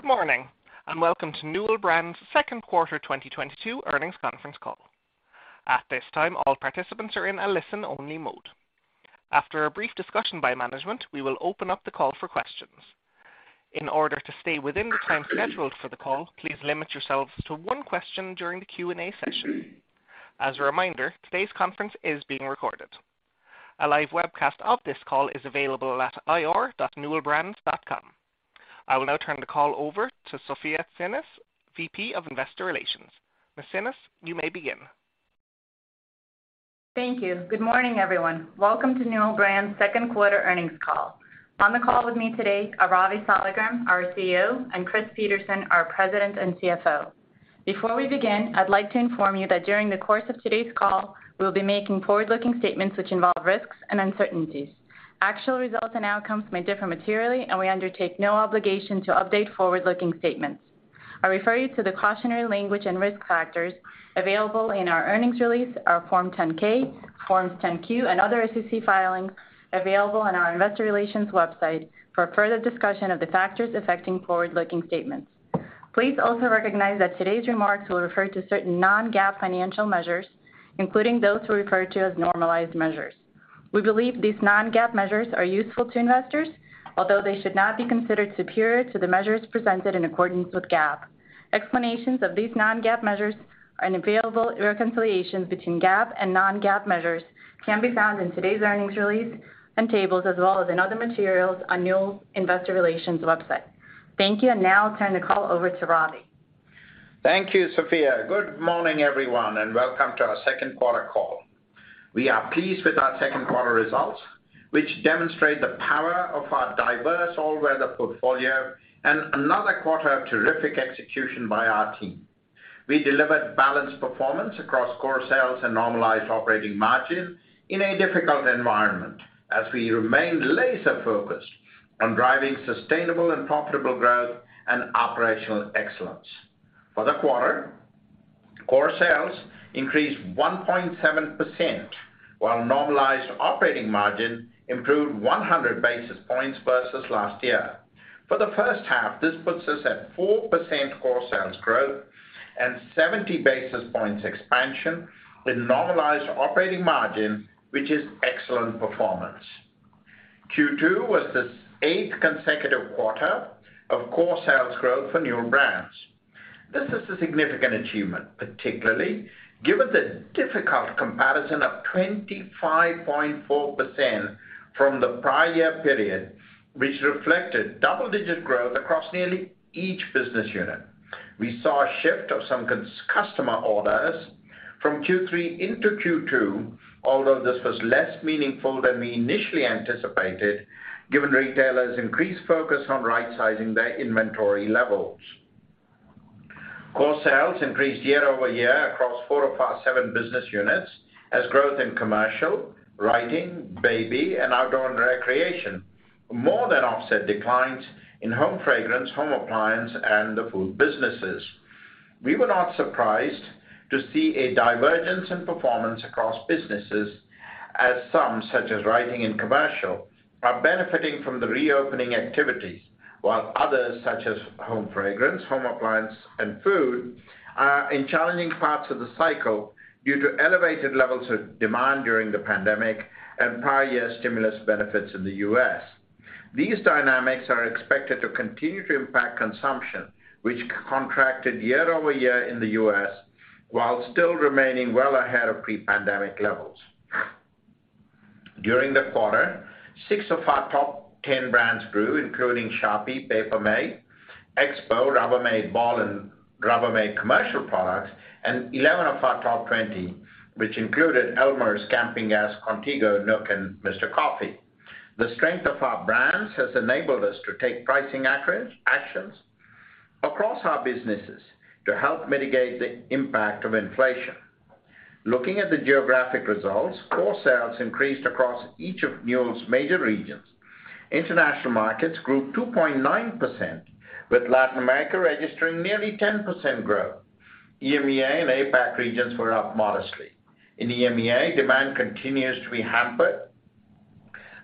Good morning, and welcome to Newell Brands' second quarter 2022 earnings conference call. At this time, all participants are in a listen-only mode. After a brief discussion by management, we will open up the call for questions. In order to stay within the time scheduled for the call, please limit yourselves to one question during the Q&A session. As a reminder, today's conference is being recorded. A live webcast of this call is available at ir.newellbrands.com. I will now turn the call over to Sofya Tsinis, VP of Investor Relations. Ms. Tsinis, you may begin. Thank you. Good morning, everyone. Welcome to Newell Brands' second quarter earnings call. On the call with me today are Ravi Saligram, our CEO, and Chris Peterson, our President and CFO. Before we begin, I'd like to inform you that during the course of today's call, we'll be making forward-looking statements which involve risks and uncertainties. Actual results and outcomes may differ materially, and we undertake no obligation to update forward-looking statements. I refer you to the cautionary language and risk factors available in our earnings release, our Form 10-K, Form 10-Q, and other SEC filings available on our investor relations website for further discussion of the factors affecting forward-looking statements. Please also recognize that today's remarks will refer to certain non-GAAP financial measures, including those we refer to as normalized measures. We believe these non-GAAP measures are useful to investors, although they should not be considered superior to the measures presented in accordance with GAAP. Explanations of these non-GAAP measures and available reconciliations between GAAP and non-GAAP measures can be found in today's earnings release and tables as well as in other materials on Newell's investor relations website. Thank you, and now I'll turn the call over to Ravi. Thank you, Sofya. Good morning, everyone, and welcome to our second quarter call. We are pleased with our second quarter results, which demonstrate the power of our diverse all-weather portfolio and another quarter of terrific execution by our team. We delivered balanced performance across core sales and normalized operating margin in a difficult environment as we remained laser-focused on driving sustainable and profitable growth and operational excellence. For the quarter, core sales increased 1.7%, while normalized operating margin improved 100 basis points versus last year. For the first half, this puts us at 4% core sales growth and 70 basis points expansion in normalized operating margin, which is excellent performance. Q2 was the eighth consecutive quarter of core sales growth for Newell Brands. This is a significant achievement, particularly given the difficult comparison of 25.4% from the prior year period, which reflected double-digit growth across nearly each business unit. We saw a shift of some customer orders from Q3 into Q2, although this was less meaningful than we initially anticipated, given retailers' increased focus on rightsizing their inventory levels. Core sales increased year-over-year across four of our seven business units as growth in commercial, Writing, Baby, and Outdoor and Recreation more than offset declines in Home Fragrance, Home Appliance, and the food businesses. We were not surprised to see a divergence in performance across businesses as some, such as Writing and Commercial, are benefiting from the reopening activities, while others, such as Home Fragrance, Home Appliance, and Food, are in challenging parts of the cycle due to elevated levels of demand during the pandemic and prior year stimulus benefits in the U.S. These dynamics are expected to continue to impact consumption, which contracted year-over-year in the U.S. while still remaining well ahead of pre-pandemic levels. During the quarter, six of our top 10 brands grew, including Sharpie, Paper Mate, Expo, Rubbermaid, Ball, and Rubbermaid Commercial Products, and 11 of our top 20, which included Elmer's, Campingaz, Contigo, NUK, and Mr. Coffee. The strength of our brands has enabled us to take pricing actions across our businesses to help mitigate the impact of inflation. Looking at the geographic results, core sales increased across each of Newell's major regions. International markets grew 2.9%, with Latin America registering nearly 10% growth. EMEA and APAC regions were up modestly. In EMEA, demand continues to be hampered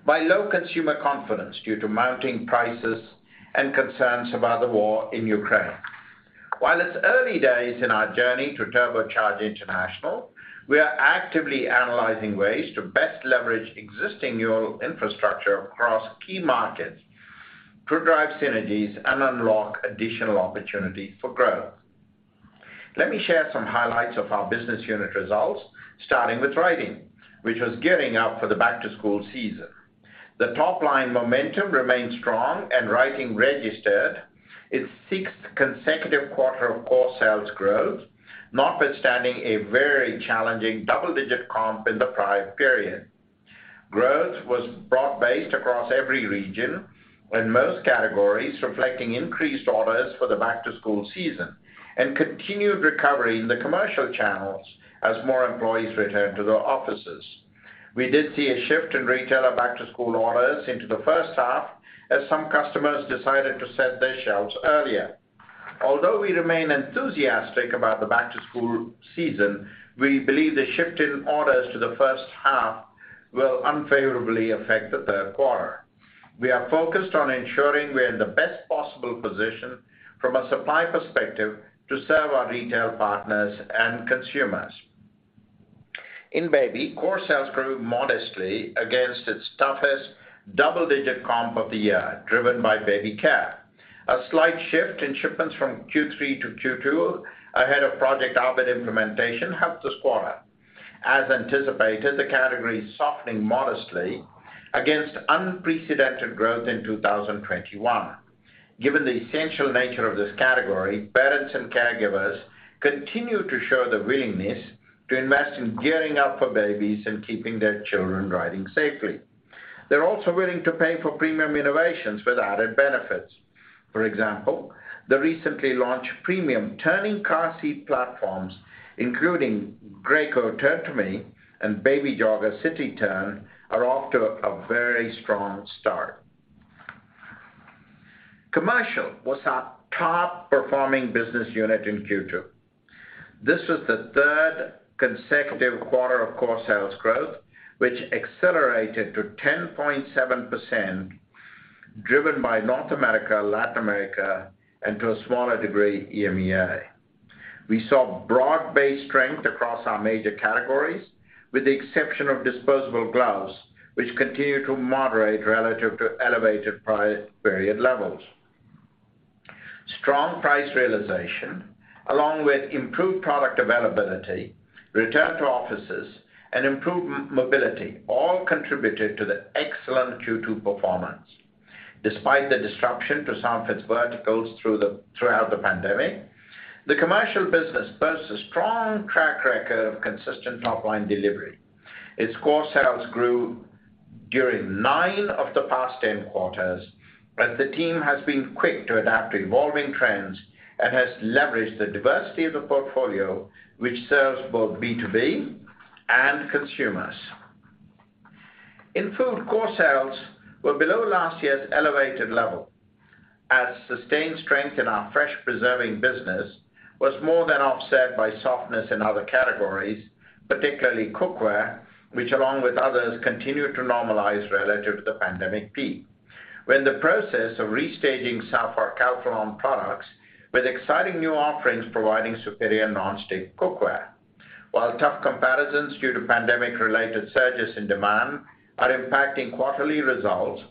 by low consumer confidence due to mounting prices and concerns about the war in Ukraine. While it's early days in our journey to turbocharge international, we are actively analyzing ways to best leverage existing Newell infrastructure across key markets to drive synergies and unlock additional opportunities for growth. Let me share some highlights of our business unit results, starting with Writing, which was gearing up for the back-to-school season. The top-line momentum remained strong, and Writing registered its sixth consecutive quarter of core sales growth, notwithstanding a very challenging double-digit comp in the prior period. Growth was broad-based across every region and most categories, reflecting increased orders for the back-to-school season and continued recovery in the commercial channels as more employees returned to their offices. We did see a shift in retailer back-to-school orders into the first half as some customers decided to set their shelves earlier. Although we remain enthusiastic about the back-to-school season, we believe the shift in orders to the first half will unfavorably affect the third quarter. We are focused on ensuring we're in the best possible position from a supply perspective to serve our retail partners and consumers. In Baby, core sales grew modestly against its toughest double-digit comp of the year, driven by Baby care. A slight shift in shipments from Q3 to Q2 ahead of Project Orbit implementation helped this quarter. As anticipated, the category is softening modestly against unprecedented growth in 2021. Given the essential nature of this category, parents and caregivers continue to show the willingness to invest in gearing up for babies and keeping their children riding safely. They're also willing to pay for premium innovations with added benefits. For example, the recently launched premium turning car seat platforms, including Graco Turn2Me and Baby Jogger City Turn, are off to a very strong start. Commercial was our top-performing business unit in Q2. This was the third consecutive quarter of core sales growth, which accelerated to 10.7%, driven by North America, Latin America, and to a smaller degree, EMEA. We saw broad-based strength across our major categories, with the exception of disposable gloves, which continue to moderate relative to elevated prior-period levels. Strong price realization, along with improved product availability, return to offices, and improved mobility, all contributed to the excellent Q2 performance. Despite the disruption to some of its verticals throughout the pandemic, the commercial business boasts a strong track record of consistent top-line delivery. Its core sales grew during nine of the past 10 quarters, as the team has been quick to adapt to evolving trends and has leveraged the diversity of the portfolio, which serves both B2B and consumers. In Food, core sales were below last year's elevated level as sustained strength in our fresh preserving business was more than offset by softness in other categories, particularly cookware, which along with others, continued to normalize relative to the pandemic peak. We're in the process of restaging some of our Calphalon products with exciting new offerings providing superior non-stick cookware. While tough comparisons due to pandemic-related surges in demand are impacting quarterly results,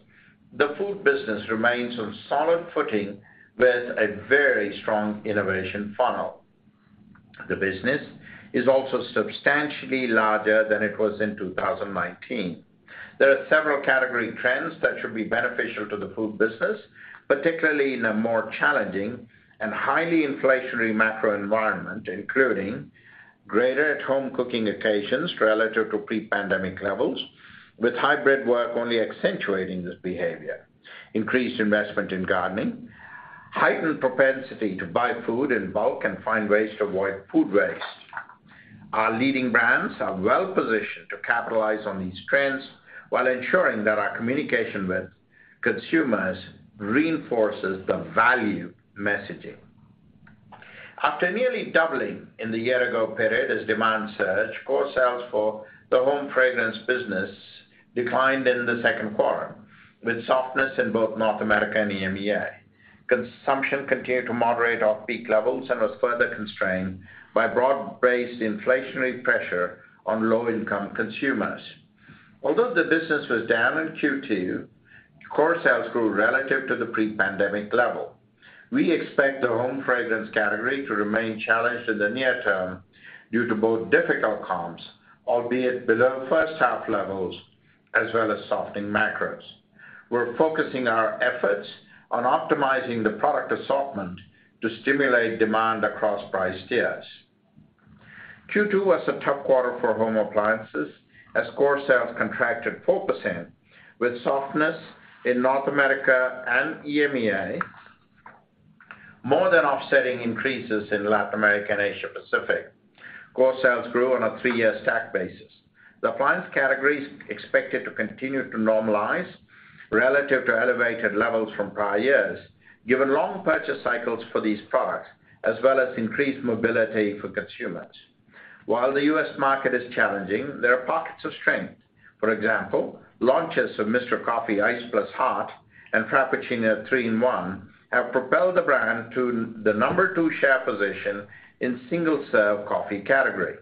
the food business remains on solid footing with a very strong innovation funnel. The business is also substantially larger than it was in 2019. There are several category trends that should be beneficial to the food business, particularly in a more challenging and highly inflationary macro environment, including greater at-home cooking occasions relative to pre-pandemic levels, with hybrid work only accentuating this behavior, increased investment in gardening, heightened propensity to buy food in bulk and find ways to avoid food waste. Our leading brands are well-positioned to capitalize on these trends while ensuring that our communication with consumers reinforces the value messaging. After nearly doubling in the year-ago period as demand surged, core sales for the Home Fragrance business declined in the second quarter, with softness in both North America and EMEA. Consumption continued to moderate off-peak levels and was further constrained by broad-based inflationary pressure on low-income consumers. Although the business was down in Q2, core sales grew relative to the pre-pandemic level. We expect the Home Fragrance category to remain challenged in the near term due to both difficult comps, albeit below first half levels, as well as softening macros. We're focusing our efforts on optimizing the product assortment to stimulate demand across price tiers. Q2 was a tough quarter for Home Appliances as core sales contracted 4%, with softness in North America and EMEA more than offsetting increases in Latin America and Asia Pacific. Core sales grew on a three-year stack basis. The appliance category is expected to continue to normalize relative to elevated levels from prior years, given long purchase cycles for these products, as well as increased mobility for consumers. While the U.S. market is challenging, there are pockets of strength. For example, launches of Mr. Coffee. Coffee Iced + Hot and Frappe 3-in-1 have propelled the brand to the number two share position in single-serve coffee category.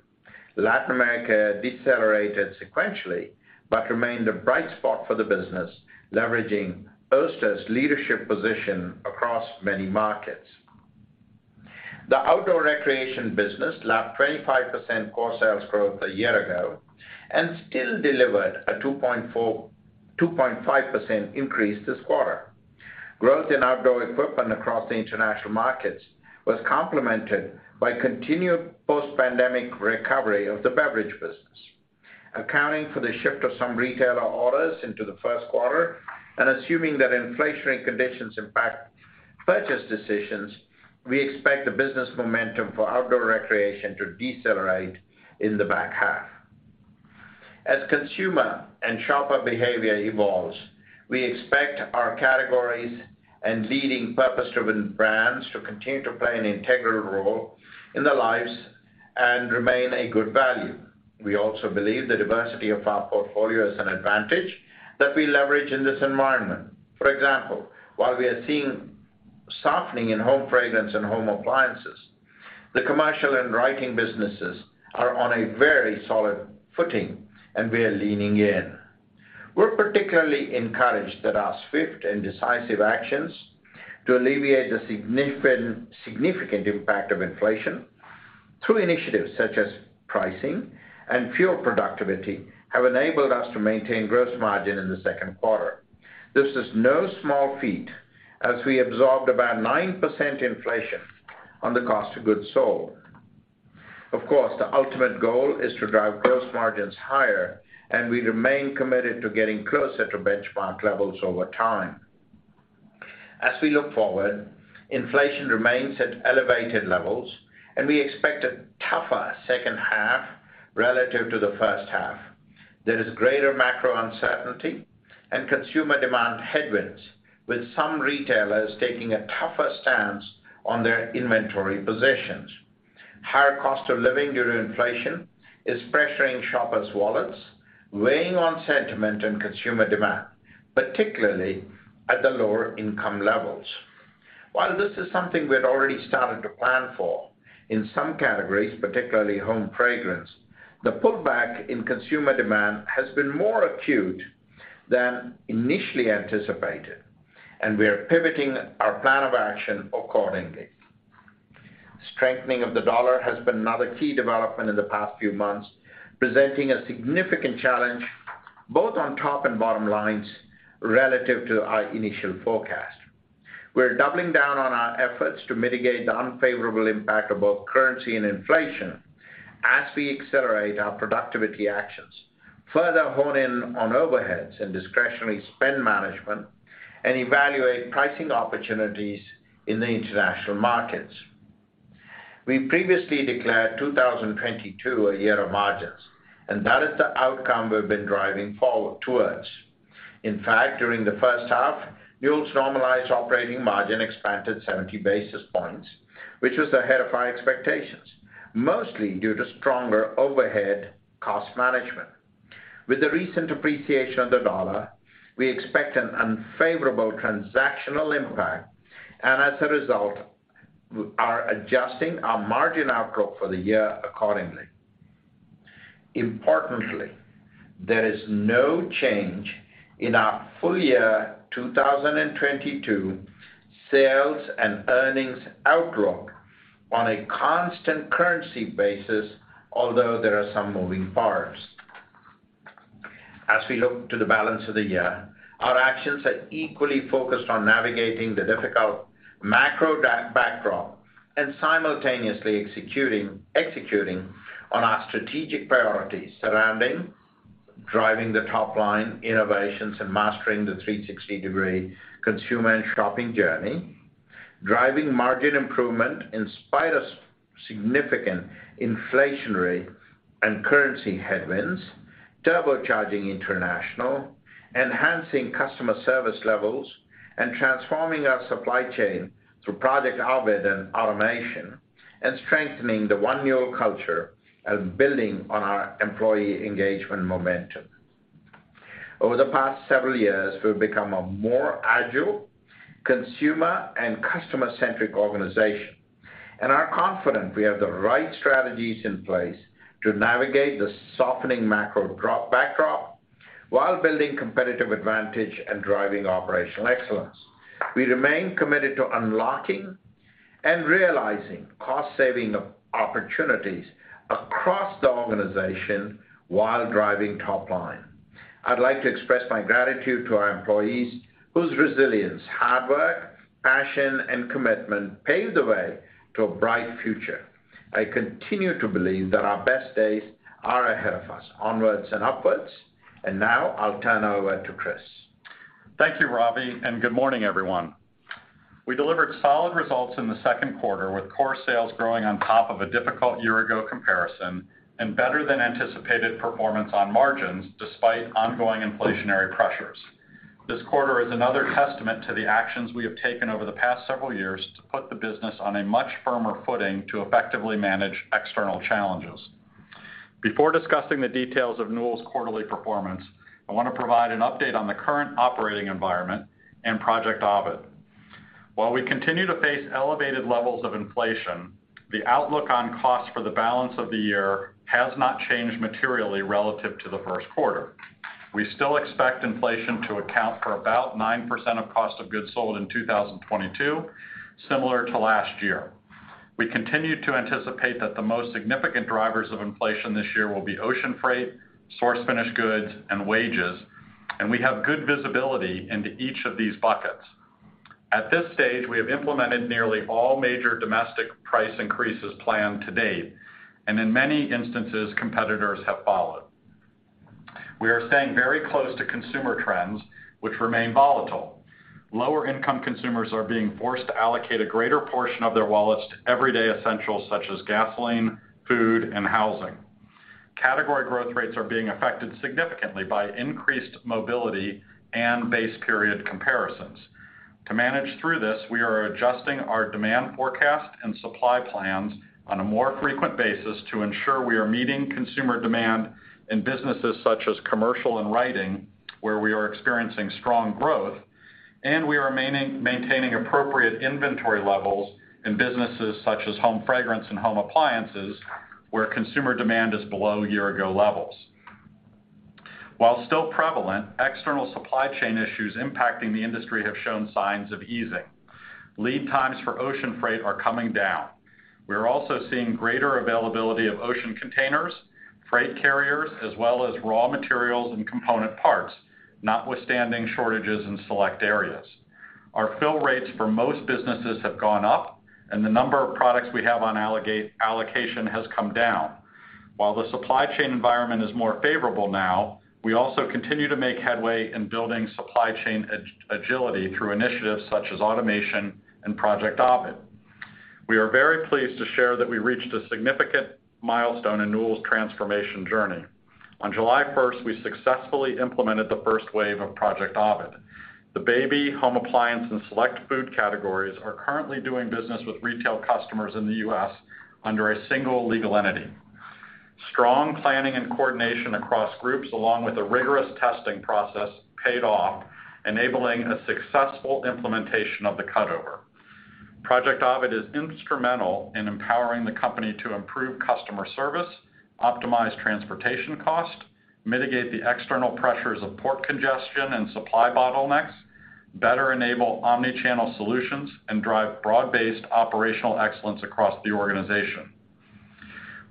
Latin America decelerated sequentially, but remained a bright spot for the business, leveraging Oster's leadership position across many markets. The outdoor recreation business lagged 25% core sales growth a year ago and still delivered a 2.4%-2.5% increase this quarter. Growth in outdoor equipment across the international markets was complemented by continued post-pandemic recovery of the beverage business. Accounting for the shift of some retailer orders into the first quarter and assuming that inflationary conditions impact purchase decisions, we expect the business momentum for outdoor recreation to decelerate in the back half. As consumer and shopper behavior evolves, we expect our categories and leading purpose-driven brands to continue to play an integral role in the lives and remain a good value. We also believe the diversity of our portfolio is an advantage that we leverage in this environment. For example, while we are seeing softening in Home Fragrance and Home Appliances, the commercial and Writing businesses are on a very solid footing, and we are leaning in. We're particularly encouraged that our swift and decisive actions to alleviate the significant impact of inflation through initiatives such as pricing and FUEL productivity, have enabled us to maintain gross margin in the second quarter. This is no small feat as we absorbed about 9% inflation on the cost of goods sold. Of course, the ultimate goal is to drive gross margins higher, and we remain committed to getting closer to benchmark levels over time. As we look forward, inflation remains at elevated levels, and we expect a tougher second half relative to the first half. There is greater macro uncertainty and consumer demand headwinds, with some retailers taking a tougher stance on their inventory positions. Higher cost of living due to inflation is pressuring shoppers' wallets, weighing on sentiment and consumer demand, particularly at the lower income levels. While this is something we had already started to plan for in some categories, particularly Home Fragrance, the pullback in consumer demand has been more acute than initially anticipated, and we are pivoting our plan of action accordingly. Strengthening of the dollar has been another key development in the past few months, presenting a significant challenge both on top and bottom lines relative to our initial forecast. We're doubling down on our efforts to mitigate the unfavorable impact of both currency and inflation as we accelerate our productivity actions, further hone in on overheads and discretionary spend management, and evaluate pricing opportunities in the international markets. We previously declared 2022 a year of margins, and that is the outcome we've been driving forward towards. In fact, during the first half, Newell Brands' normalized operating margin expanded 70 basis points, which was ahead of our expectations, mostly due to stronger overhead cost management. With the recent appreciation of the US dollar, we expect an unfavorable transactional impact and as a result, we are adjusting our margin outlook for the year accordingly. Importantly, there is no change in our full year 2022 sales and earnings outlook on a constant currency basis, although there are some moving parts. As we look to the balance of the year, our actions are equally focused on navigating the difficult macro backdrop and simultaneously executing on our strategic priorities surrounding driving the top line innovations and mastering the 360-degree consumer and shopping journey, driving margin improvement in spite of significant inflationary and currency headwinds, turbocharging international, enhancing customer service levels, and transforming our supply chain through Project Ovid and automation, and strengthening the one Newell culture and building on our employee engagement momentum. Over the past several years, we've become a more agile, consumer and customer-centric organization, and are confident we have the right strategies in place to navigate the softening macro backdrop while building competitive advantage and driving operational excellence. We remain committed to unlocking and realizing cost savings opportunities across the organization while driving top line. I'd like to express my gratitude to our employees whose resilience, hard work, passion, and commitment pave the way to a bright future. I continue to believe that our best days are ahead of us. Onwards and upwards. Now I'll turn over to Chris. Thank you, Ravi, and good morning, everyone. We delivered solid results in the second quarter with core sales growing on top of a difficult year ago comparison and better than anticipated performance on margins despite ongoing inflationary pressures. This quarter is another testament to the actions we have taken over the past several years to put the business on a much firmer footing to effectively manage external challenges. Before discussing the details of Newell's quarterly performance, I wanna provide an update on the current operating environment and Project Ovid. While we continue to face elevated levels of inflation, the outlook on cost for the balance of the year has not changed materially relative to the first quarter. We still expect inflation to account for about 9% of cost of goods sold in 2022, similar to last year. We continue to anticipate that the most significant drivers of inflation this year will be ocean freight, sourced finished goods, and wages, and we have good visibility into each of these buckets. At this stage, we have implemented nearly all major domestic price increases planned to date, and in many instances, competitors have followed. We are staying very close to consumer trends, which remain volatile. Lower-income consumers are being forced to allocate a greater portion of their wallets to everyday essentials such as gasoline, food, and housing. Category growth rates are being affected significantly by increased mobility and base period comparisons. To manage through this, we are adjusting our demand forecast and supply plans on a more frequent basis to ensure we are meeting consumer demand in businesses such as commercial and Writing, where we are experiencing strong growth, and we are maintaining appropriate inventory levels in businesses such as Home Fragrance and Home Appliances, where consumer demand is below year ago levels. While still prevalent, external supply chain issues impacting the industry have shown signs of easing. Lead times for ocean freight are coming down. We are also seeing greater availability of ocean containers, freight carriers, as well as raw materials and component parts, notwithstanding shortages in select areas. Our fill rates for most businesses have gone up, and the number of products we have on allocation has come down. While the supply chain environment is more favorable now, we also continue to make headway in building supply chain agility through initiatives such as automation and Project Ovid. We are very pleased to share that we reached a significant milestone in Newell's transformation journey. On July first, we successfully implemented the first wave of Project Ovid. The Baby, Home Appliance, and select food categories are currently doing business with retail customers in the U.S. under a single legal entity. Strong planning and coordination across groups, along with a rigorous testing process paid off, enabling a successful implementation of the cutover. Project Ovid is instrumental in empowering the company to improve customer service, optimize transportation cost, mitigate the external pressures of port congestion and supply bottlenecks, better enable omni-channel solutions, and drive broad-based operational excellence across the organization.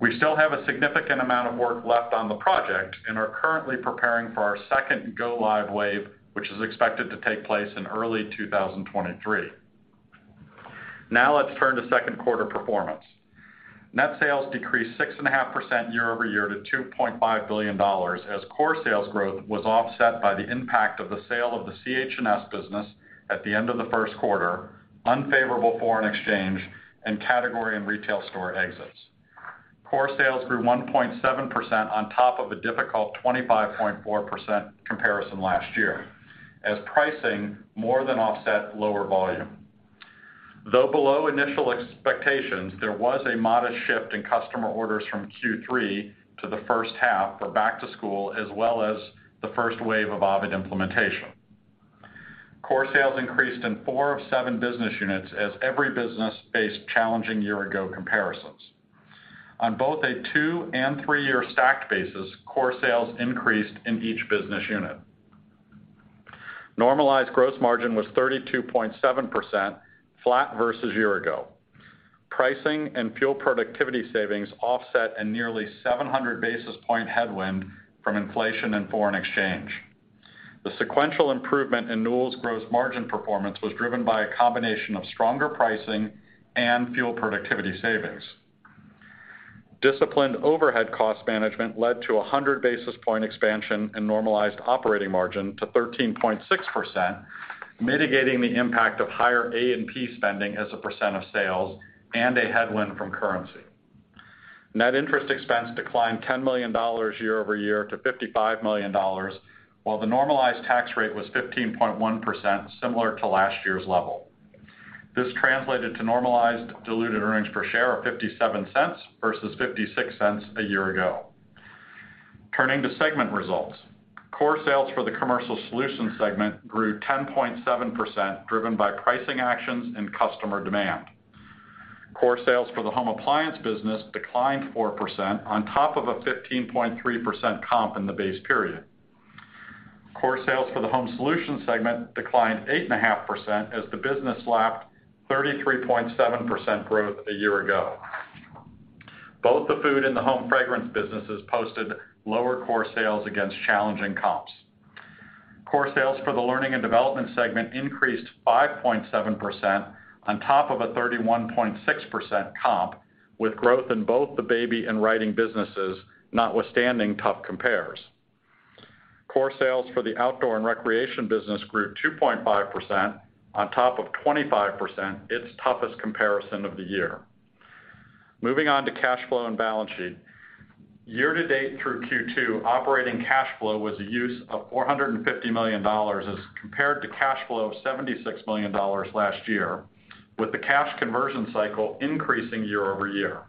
We still have a significant amount of work left on the project and are currently preparing for our second go live wave, which is expected to take place in early 2023. Now let's turn to second quarter performance. Net sales decreased 6.5% year-over-year to $2.5 billion as core sales growth was offset by the impact of the sale of the CHNS business at the end of the first quarter, unfavorable foreign exchange and category and retail store exits. Core sales grew 1.7% on top of a difficult 25.4% comparison last year as pricing more than offset lower volume. Though below initial expectations, there was a modest shift in customer orders from Q3 to the first half for back to school, as well as the first wave of Ovid implementation. Core sales increased in four of seven business units as every business faced challenging year-ago comparisons. On both a two- and three-year stacked basis, core sales increased in each business unit. Normalized gross margin was 32.7% flat versus year-ago. Pricing and FUEL productivity savings offset a nearly 700 basis point headwind from inflation and foreign exchange. The sequential improvement in Newell's gross margin performance was driven by a combination of stronger pricing and FUEL productivity savings. Disciplined overhead cost management led to a 100 basis point expansion in normalized operating margin to 13.6%, mitigating the impact of higher A&P spending as a percent of sales and a headwind from currency. Net interest expense declined $10 million year-over-year to $55 million, while the normalized tax rate was 15.1%, similar to last year's level. This translated to normalized diluted earnings per share of $0.57 versus $0.56 a year ago. Turning to segment results. Core sales for the commercial solutions segment grew 10.7%, driven by pricing actions and customer demand. Core sales for the Home Appliance business declined 4% on top of a 15.3% comp in the base period. Core sales for the home solutions segment declined 8.5% as the business lapped 33.7% growth a year ago. Both the food and the Home Fragrance businesses posted lower core sales against challenging comps. Core sales for the learning and development segment increased 5.7% on top of a 31.6% comp, with growth in both the Baby and Writing businesses, notwithstanding tough compares. Core sales for the Outdoor and Recreation business grew 2.5% on top of 25%, its toughest comparison of the year. Moving on to cash flow and balance sheet. Year to date through Q2, operating cash flow was a use of $450 million as compared to cash flow of $76 million last year, with the cash conversion cycle increasing year-over-year.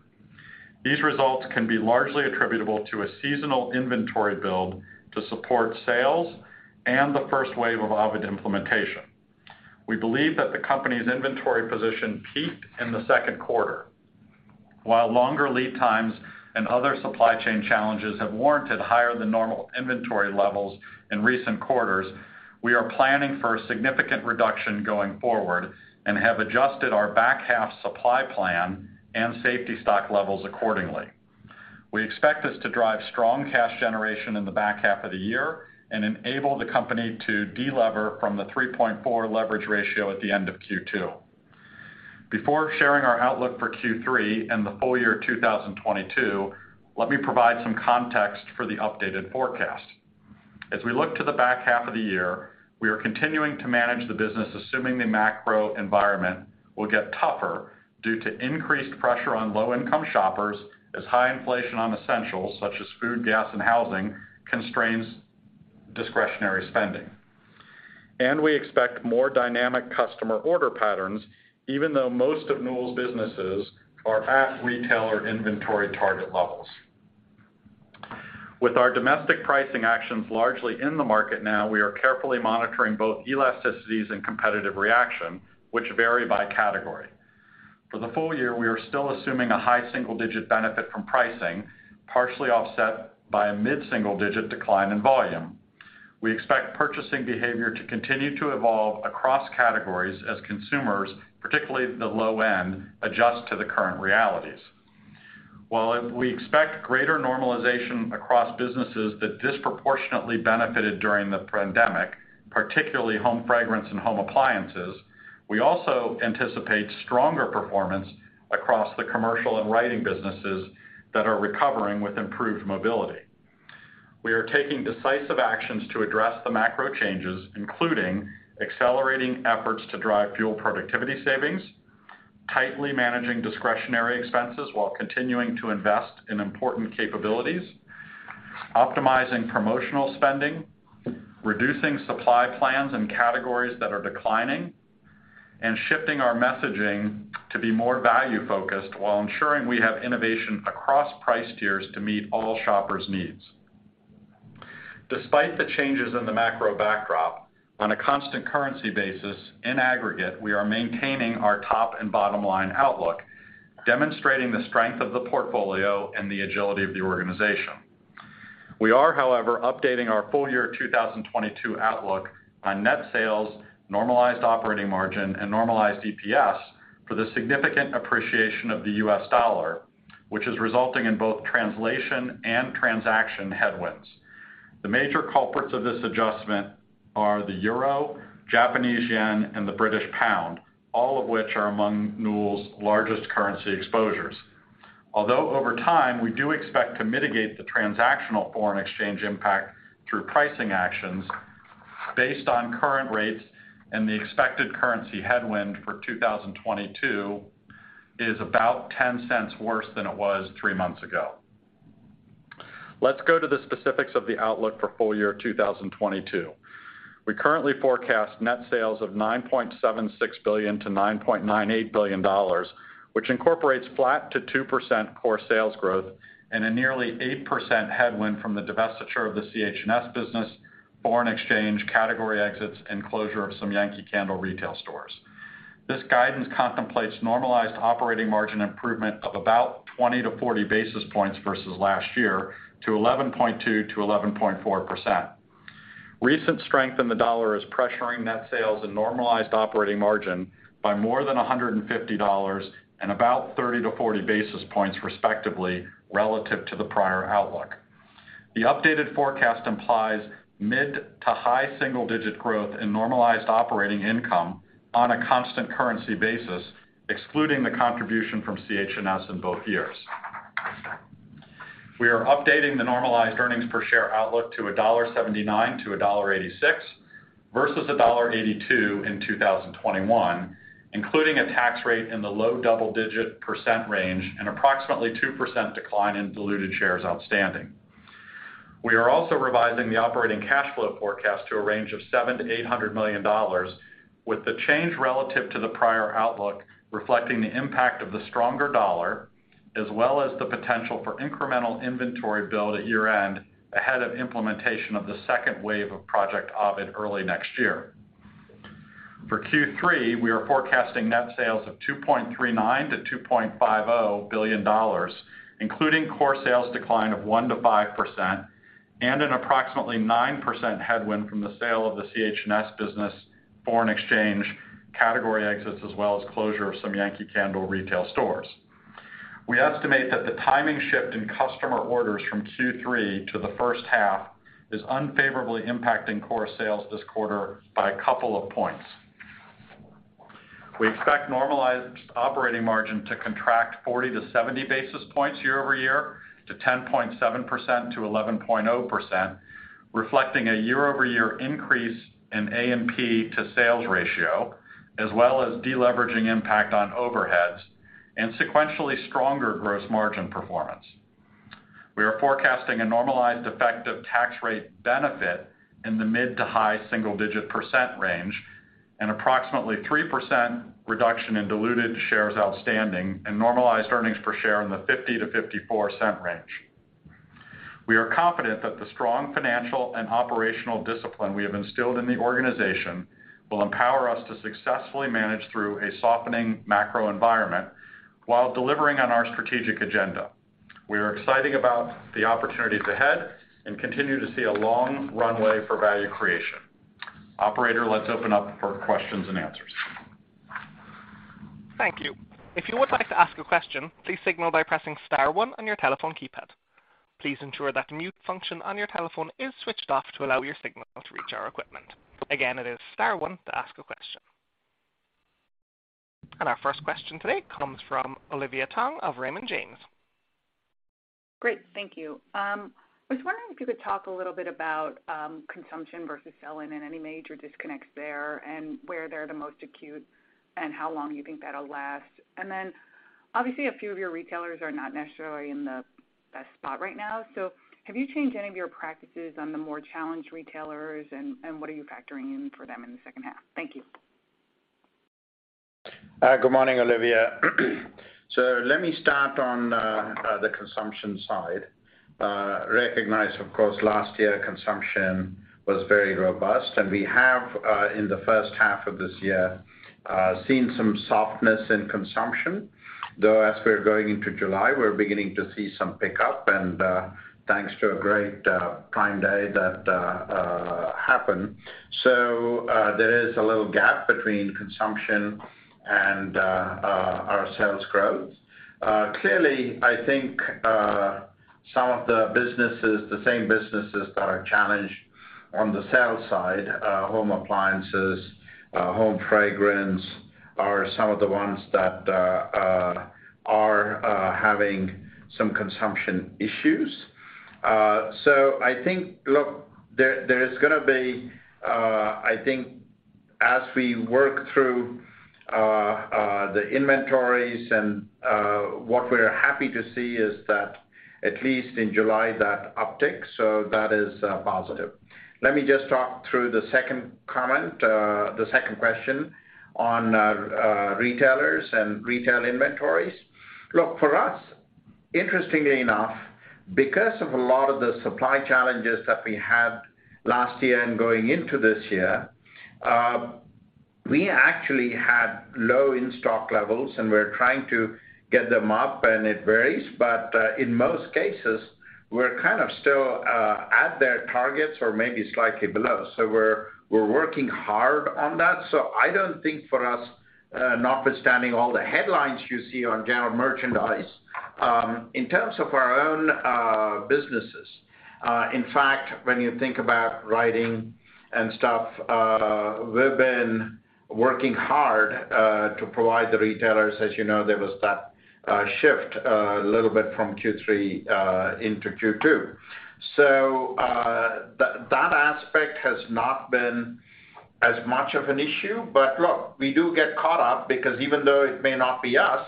These results can be largely attributable to a seasonal inventory build to support sales and the first wave of Ovid implementation. We believe that the company's inventory position peaked in the second quarter. While longer lead times and other supply chain challenges have warranted higher than normal inventory levels in recent quarters, we are planning for a significant reduction going forward and have adjusted our back half supply plan and safety stock levels accordingly. We expect this to drive strong cash generation in the back half of the year and enable the company to de-lever from the 3.4 leverage ratio at the end of Q2. Before sharing our outlook for Q3 and the full year 2022, let me provide some context for the updated forecast. As we look to the back half of the year, we are continuing to manage the business assuming the macro environment will get tougher due to increased pressure on low-income shoppers as high inflation on essentials such as food, gas, and housing constrains discretionary spending. We expect more dynamic customer order patterns even though most of Newell's businesses are at retailer inventory target levels. With our domestic pricing actions largely in the market now, we are carefully monitoring both elasticities and competitive reaction, which vary by category. For the full year, we are still assuming a high single-digit benefit from pricing, partially offset by a mid-single digit decline in volume. We expect purchasing behavior to continue to evolve across categories as consumers, particularly the low end, adjust to the current realities. While we expect greater normalization across businesses that disproportionately benefited during the pandemic, particularly Home Fragrance and Home Appliances, we also anticipate stronger performance across the commercial and Writing businesses that are recovering with improved mobility. We are taking decisive actions to address the macro changes, including accelerating efforts to drive Fuel productivity savings, tightly managing discretionary expenses while continuing to invest in important capabilities, optimizing promotional spending, reducing supply plans in categories that are declining, and shifting our messaging to be more value-focused while ensuring we have innovation across price tiers to meet all shoppers' needs. Despite the changes in the macro backdrop, on a constant currency basis, in aggregate, we are maintaining our top and bottom line outlook, demonstrating the strength of the portfolio and the agility of the organization. We are, however, updating our full year 2022 outlook on net sales, normalized operating margin, and normalized EPS for the significant appreciation of the U.S. dollar, which is resulting in both translation and transaction headwinds. The major culprits of this adjustment are the euro, Japanese yen, and the British pound, all of which are among Newell's largest currency exposures. Although over time, we do expect to mitigate the transactional foreign exchange impact through pricing actions based on current rates and the expected currency headwind for 2022 is about $0.10 worse than it was three months ago. Let's go to the specifics of the outlook for full year 2022. We currently forecast net sales of $9.76 billion-$9.98 billion, which incorporates flat to 2% core sales growth and a nearly 8% headwind from the divestiture of the CHNS business, foreign exchange, category exits, and closure of some Yankee Candle retail stores. This guidance contemplates normalized operating margin improvement of about 20-40 basis points versus last year to 11.2%-11.4%. Recent strength in the dollar is pressuring net sales and normalized operating margin by more than $150 million and about 30-40 basis points, respectively, relative to the prior outlook. The updated forecast implies mid- to high-single-digit growth in normalized operating income on a constant currency basis, excluding the contribution from CHNS in both years. We are updating the normalized earnings per share outlook to $1.79-$1.86 versus $1.82 in 2021, including a tax rate in the low double-digit % range and approximately 2% decline in diluted shares outstanding. We are also revising the operating cash flow forecast to a range of $700 million-$800 million, with the change relative to the prior outlook reflecting the impact of the stronger dollar as well as the potential for incremental inventory build at year-end ahead of implementation of the second wave of Project Ovid early next year. For Q3, we are forecasting net sales of $2.39-$2.5 billion, including core sales decline of 1%-5% and an approximately 9% headwind from the sale of the CHNS business, foreign exchange, category exits, as well as closure of some Yankee Candle retail stores. We estimate that the timing shift in customer orders from Q3 to the first half is unfavorably impacting core sales this quarter by a couple of points. We expect normalized operating margin to contract 40-70 basis points year-over-year to 10.7%-11.0%, reflecting a year-over-year increase in A&P-to-sales ratio as well as deleveraging impact on overheads and sequentially stronger gross margin performance. We are forecasting a normalized effective tax rate benefit in the mid- to high-single-digit % range and approximately 3% reduction in diluted shares outstanding and normalized earnings per share in the $0.50-$0.54 range. We are confident that the strong financial and operational discipline we have instilled in the organization will empower us to successfully manage through a softening macro environment while delivering on our strategic agenda. We are excited about the opportunities ahead and continue to see a long runway for value creation. Operator, let's open up for questions and answers. Thank you. If you would like to ask a question, please signal by pressing star one on your telephone keypad. Please ensure that the mute function on your telephone is switched off to allow your signal to reach our equipment. Again, it is star one to ask a question. Our first question today comes from Olivia Tong of Raymond James. Great. Thank you. I was wondering if you could talk a little bit about consumption versus sell-in and any major disconnects there and where they're the most acute and how long you think that'll last. Obviously a few of your retailers are not necessarily in the best spot right now. Have you changed any of your practices on the more challenged retailers? What are you factoring in for them in the second half? Thank you. Good morning, Olivia. Let me start on the consumption side. Recognize, of course, last year consumption was very robust, and we have in the first half of this year seen some softness in consumption. Though as we're going into July, we're beginning to see some pickup and thanks to a great Prime Day that happened. There is a little gap between consumption and our sales growth. Clearly, I think, some of the businesses, the same businesses that are challenged on the sales side, Home Appliances, Home Fragrance, are some of the ones that are having some consumption issues. I think, look, there is gonna be, I think as we work through the inventories and what we're happy to see is that at least in July, that uptick, so that is positive. Let me just talk through the second comment, the second question on retailers and retail inventories. Look, for us, interestingly enough, because of a lot of the supply challenges that we had last year and going into this year, we actually had low in-stock levels, and we're trying to get them up, and it varies. In most cases, we're kind of still at their targets or maybe slightly below. We're working hard on that. I don't think for us, notwithstanding all the headlines you see on general merchandise, in terms of our own businesses, in fact, when you think about Writing and stuff, we've been working hard to provide the retailers. As you know, there was that shift a little bit from Q3 into Q2. That aspect has not been as much of an issue. Look, we do get caught up because even though it may not be us,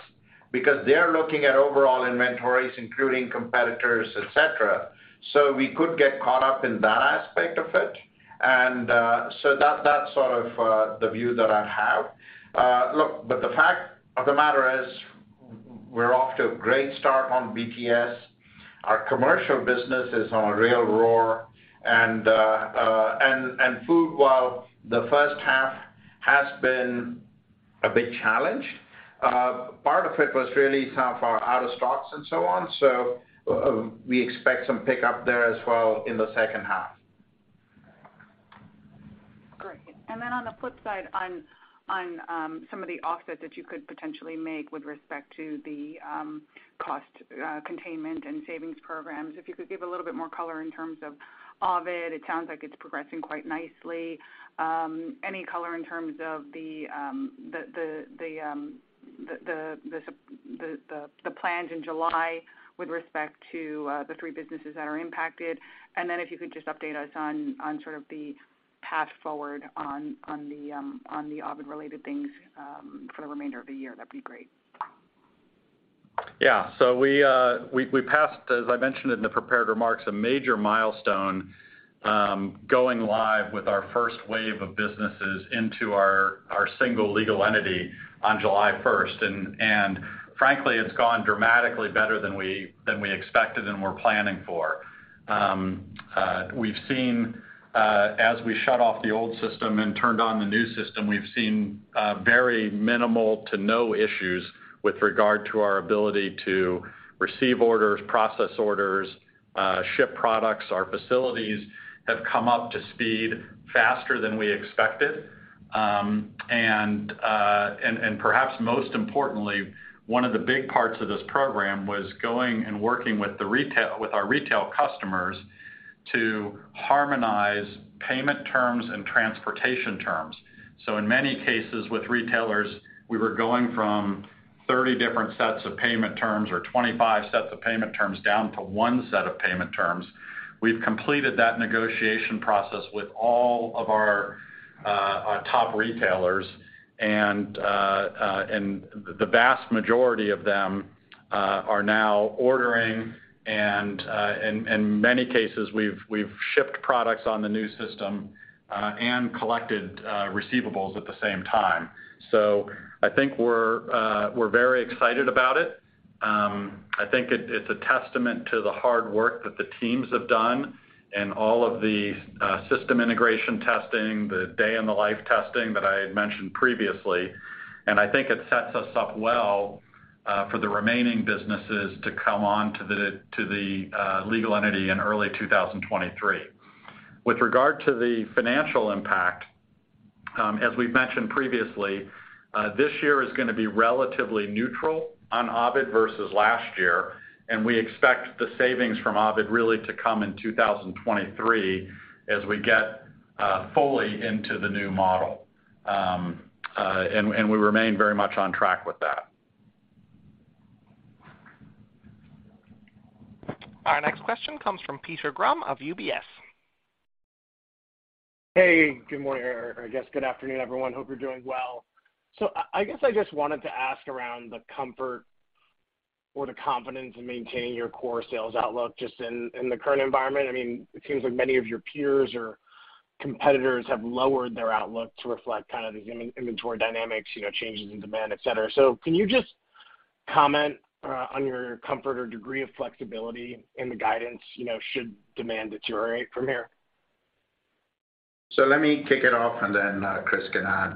because they're looking at overall inventories, including competitors, et cetera, so we could get caught up in that aspect of it. That's sort of the view that I have. Look, the fact of the matter is we're off to a great start on BTS. Our commercial business is on a real roll. Food, while the first half has been a bit challenged, part of it was really kind of our out of stocks and so on. We expect some pickup there as well in the second half. Great. On the flip side, some of the offsets that you could potentially make with respect to the cost containment and savings programs, if you could give a little bit more color in terms of Ovid. It sounds like it's progressing quite nicely. Any color in terms of the plans in July with respect to the three businesses that are impacted? If you could just update us on sort of the path forward on the Ovid-related things for the remainder of the year, that'd be great. We passed, as I mentioned in the prepared remarks, a major milestone, going live with our first wave of businesses into our single legal entity on July first. Frankly, it's gone dramatically better than we expected and were planning for. We've seen, as we shut off the old system and turned on the new system, very minimal to no issues with regard to our ability to receive orders, process orders, ship products. Our facilities have come up to speed faster than we expected. Perhaps most importantly, one of the big parts of this program was going and working with our retail customers to harmonize payment terms and transportation terms. In many cases with retailers, we were going from 30 different sets of payment terms or 25 sets of payment terms down to one set of payment terms. We've completed that negotiation process with all of our top retailers, and the vast majority of them are now ordering. In many cases, we've shipped products on the new system and collected receivables at the same time. I think we're very excited about it. I think it's a testament to the hard work that the teams have done and all of the system integration testing, the day in the life testing that I had mentioned previously. I think it sets us up well for the remaining businesses to come on to the legal entity in early 2023. With regard to the financial impact, as we've mentioned previously, this year is gonna be relatively neutral on Ovid versus last year, and we expect the savings from Ovid really to come in 2023 as we get Fully into the new model. We remain very much on track with that. Our next question comes from Peter Grom of UBS. Hey, good morning, or I guess good afternoon, everyone. Hope you're doing well. I guess I just wanted to ask around the comfort or the confidence in maintaining your core sales outlook just in the current environment. I mean, it seems like many of your peers or competitors have lowered their outlook to reflect kind of the inventory dynamics, you know, changes in demand, et cetera. Can you just comment on your comfort or degree of flexibility in the guidance, you know, should demand deteriorate from here? Let me kick it off, and then Chris can add.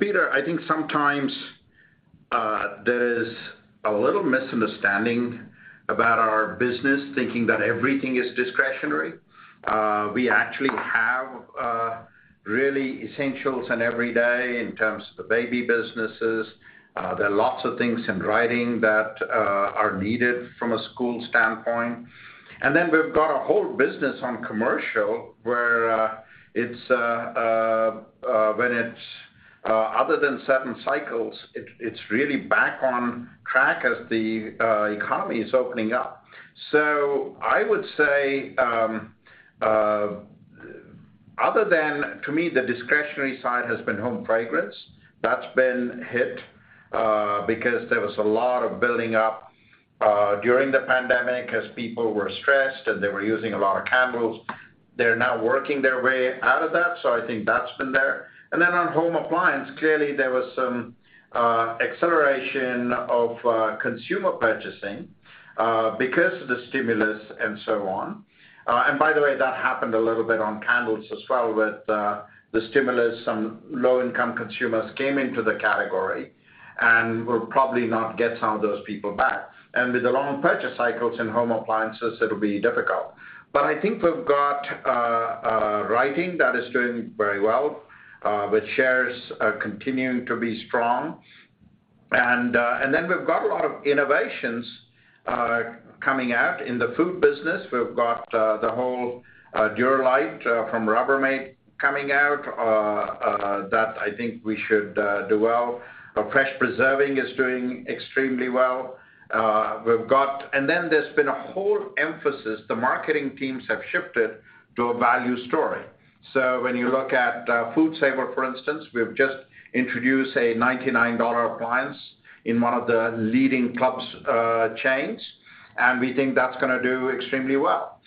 Peter, I think sometimes there is a little misunderstanding about our business thinking that everything is discretionary. We actually have really essentials in every day in terms of the Baby businesses. There are lots of things in Writing that are needed from a school standpoint. We've got a whole business on commercial where it's, when it's other than certain cycles, it's really back on track as the economy is opening up. I would say, other than to me, the discretionary side has been Home Fragrance. That's been hit because there was a lot of building up during the pandemic as people were stressed, and they were using a lot of candles. They're now working their way out of that, so I think that's been there. Then on Home Appliance, clearly, there was some acceleration of consumer purchasing because of the stimulus and so on. By the way, that happened a little bit on candles as well with the stimulus. Some low-income consumers came into the category, and we'll probably not get some of those people back. With the long purchase cycles in Home Appliances, it'll be difficult. I think we've got Writing that is doing very well with sales continuing to be strong. Then we've got a lot of innovations coming out in the food business. We've got the whole DuraLite from Rubbermaid coming out that I think we should do well. Our fresh preserving is doing extremely well. There's been a whole emphasis, the marketing teams have shifted to a value story. When you look at FoodSaver, for instance, we've just introduced a $99 appliance in one of the leading club chains, and we think that's gonna do extremely well.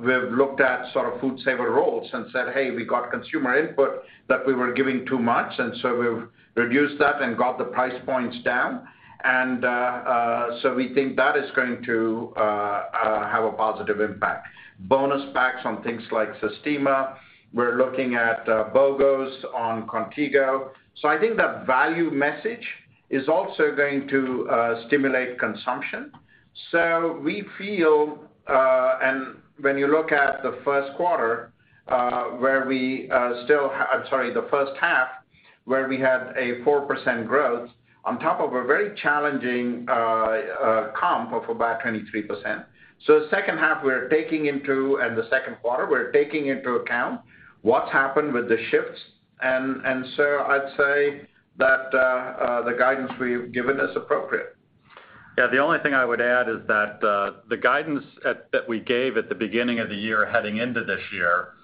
We've looked at sort of FoodSaver rolls and said, "Hey, we got consumer input that we were giving too much," and we've reduced that and got the price points down. We think that is going to have a positive impact. Bonus packs on things like Sistema. We're looking at BOGOs on Contigo. I think that value message is also going to stimulate consumption. We feel, and when you look at the first half, where we had 4% growth on top of a very challenging comp of about 23%. The second half and the second quarter, we're taking into account what's happened with the shifts. I'd say that the guidance we've given is appropriate. Yeah. The only thing I would add is that the guidance that we gave at the beginning of the year heading into this year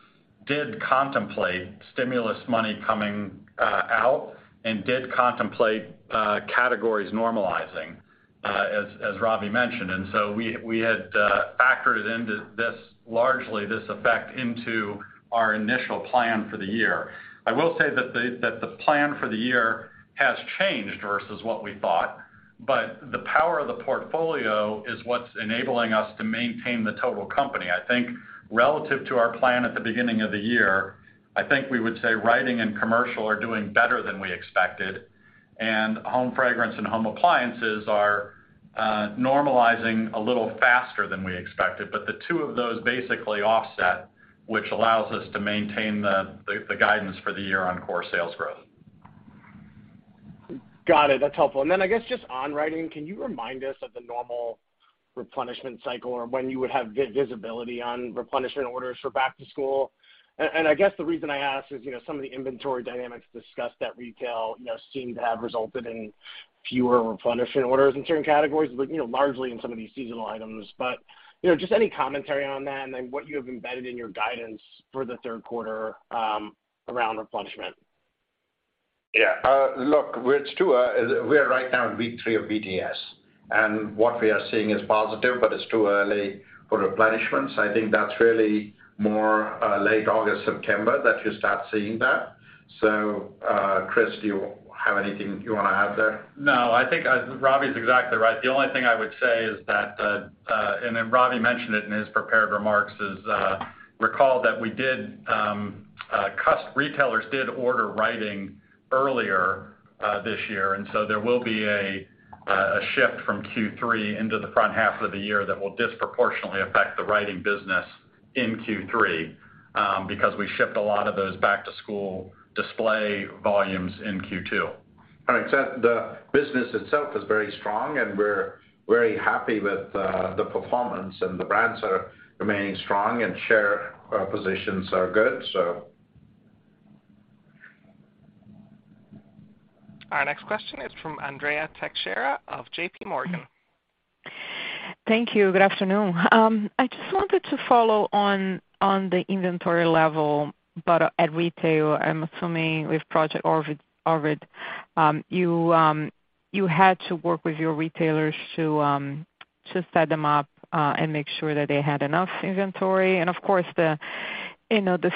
did contemplate stimulus money coming out and did contemplate categories normalizing, as Ravi mentioned. We had largely factored this effect into our initial plan for the year. I will say that the plan for the year has changed versus what we thought, but the power of the portfolio is what's enabling us to maintain the total company. I think relative to our plan at the beginning of the year, I think we would say Writing and Commercial are doing better than we expected, and Home Fragrance and Home Appliances are normalizing a little faster than we expected. The two of those basically offset, which allows us to maintain the guidance for the year on core sales growth. Got it. That's helpful. Then I guess just on Writing, can you remind us of the normal replenishment cycle or when you would have visibility on replenishment orders for back to school? I guess the reason I ask is, you know, some of the inventory dynamics discussed at retail, you know, seem to have resulted in fewer replenishment orders in certain categories, but, you know, largely in some of these seasonal items. You know, just any commentary on that and then what you have embedded in your guidance for the third quarter around replenishment. Yeah. Look, it's too early. We are right now in week three of BTS, and what we are seeing is positive, but it's too early for replenishments. I think that's really more late August, September that you start seeing that. Chris, do you have anything you wanna add there? No, I think Ravi is exactly right. The only thing I would say is that and then Ravi mentioned it in his prepared remarks, is recall that retailers did order Writing earlier this year, and so there will be a shift from Q3 into the front half of the year that will disproportionately affect the Writing business in Q3, because we shipped a lot of those back-to-school display volumes in Q2. All right. The business itself is very strong, and we're very happy with the performance and the brands are remaining strong and share positions are good. Our next question is from Andrea Teixeira of J.P. Morgan. Thank you. Good afternoon. I just wanted to follow on the inventory level, but at retail, I'm assuming with Project Ovid, you had to work with your retailers to set them up and make sure that they had enough inventory. Of course, you know, the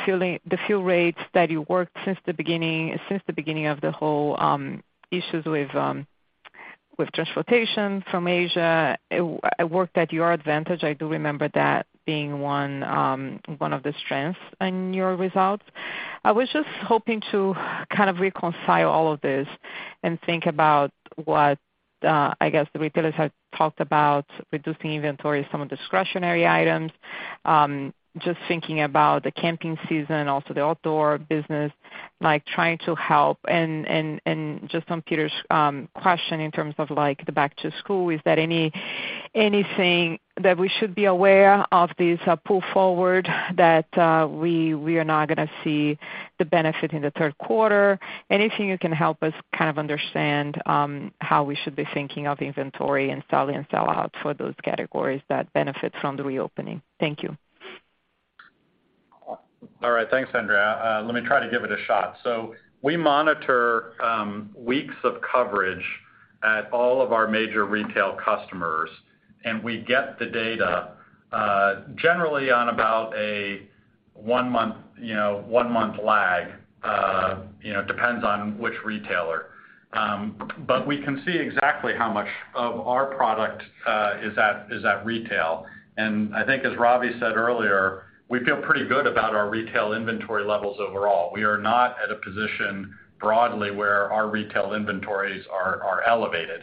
fill rates that you worked since the beginning of the whole issues with transportation from Asia, it worked at your advantage. I do remember that being one of the strengths in your results. I was just hoping to kind of reconcile all of this and think about what I guess the retailers had talked about reducing inventory, some of the discretionary items. Just thinking about the camping season, also the outdoor business, like trying to help and just on Peter's question in terms of like the back to school, is there anything that we should be aware of this pull forward that we are now gonna see the benefit in the third quarter? Anything you can help us kind of understand how we should be thinking of inventory and sell in, sell out for those categories that benefit from the reopening. Thank you. All right. Thanks, Andrea. Let me try to give it a shot. We monitor weeks of coverage at all of our major retail customers, and we get the data, generally on about a one-month, you know, one-month lag, you know, depends on which retailer. We can see exactly how much of our product is at retail. I think as Ravi said earlier, we feel pretty good about our retail inventory levels overall. We are not at a position broadly where our retail inventories are elevated.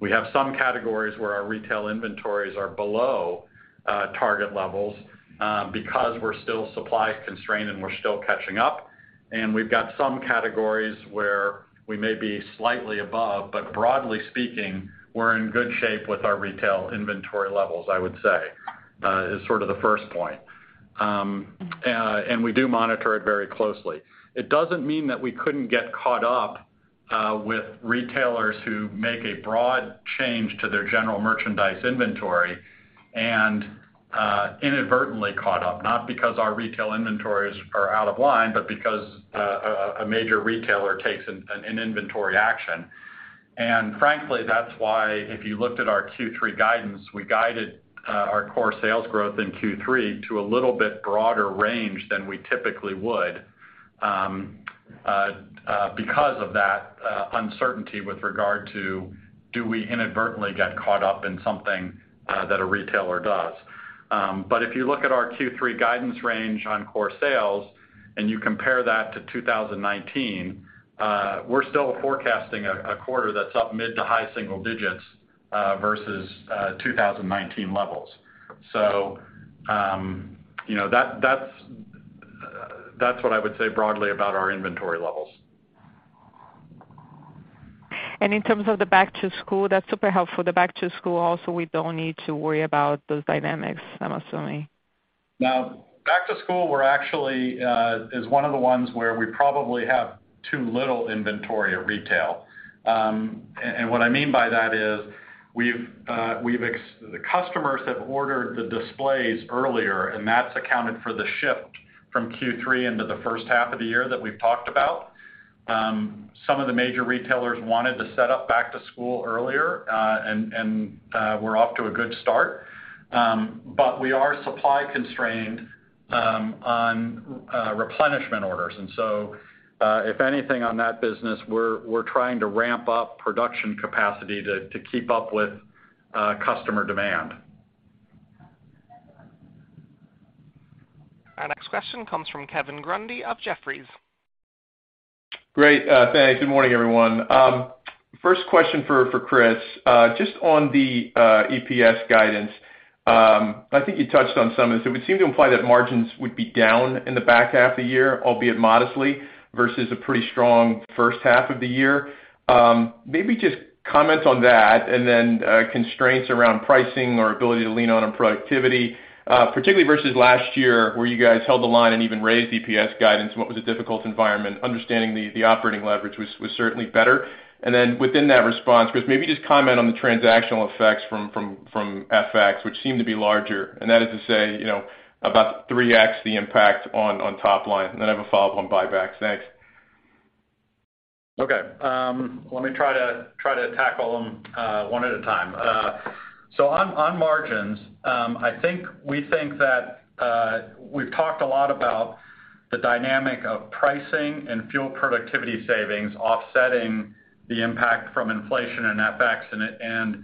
We have some categories where our retail inventories are below target levels, because we're still supply constrained, and we're still catching up. We've got some categories where we may be slightly above, but broadly speaking, we're in good shape with our retail inventory levels. I would say is sort of the first point. We do monitor it very closely. It doesn't mean that we couldn't get caught up with retailers who make a broad change to their general merchandise inventory and inadvertently caught up, not because our retail inventories are out of line, but because a major retailer takes an inventory action. Frankly, that's why if you looked at our Q3 guidance, we guided our core sales growth in Q3 to a little bit broader range than we typically would because of that uncertainty with regard to do we inadvertently get caught up in something that a retailer does. If you look at our Q3 guidance range on core sales and you compare that to 2019, we're still forecasting a quarter that's up mid- to high-single digits versus 2019 levels. You know, that's what I would say broadly about our inventory levels. In terms of the back to school, that's super helpful. The back to school also we don't need to worry about those dynamics, I'm assuming. Now, back to school is one of the ones where we probably have too little inventory at retail. What I mean by that is the customers have ordered the displays earlier, and that's accounted for the shift from Q3 into the first half of the year that we've talked about. Some of the major retailers wanted to set up back to school earlier, and we're off to a good start. We are supply constrained on replenishment orders. If anything on that business, we're trying to ramp up production capacity to keep up with customer demand. Our next question comes from Kevin Grundy of Jefferies. Great. Thanks. Good morning, everyone. First question for Chris. Just on the EPS guidance, I think you touched on some of this. It would seem to imply that margins would be down in the back half of the year, albeit modestly, versus a pretty strong first half of the year. Maybe just comment on that and then constraints around pricing or ability to lean on productivity, particularly versus last year where you guys held the line and even raised EPS guidance what was a difficult environment, understanding the operating leverage was certainly better. Within that response, Chris, maybe just comment on the transactional effects from FX, which seem to be larger. That is to say, you know, about 3x the impact on top line. I have a follow-up on buybacks. Thanks. Okay. Let me try to tackle them one at a time. On margins, I think that we've talked a lot about the dynamic of pricing and fuel productivity savings offsetting the impact from inflation and FX and the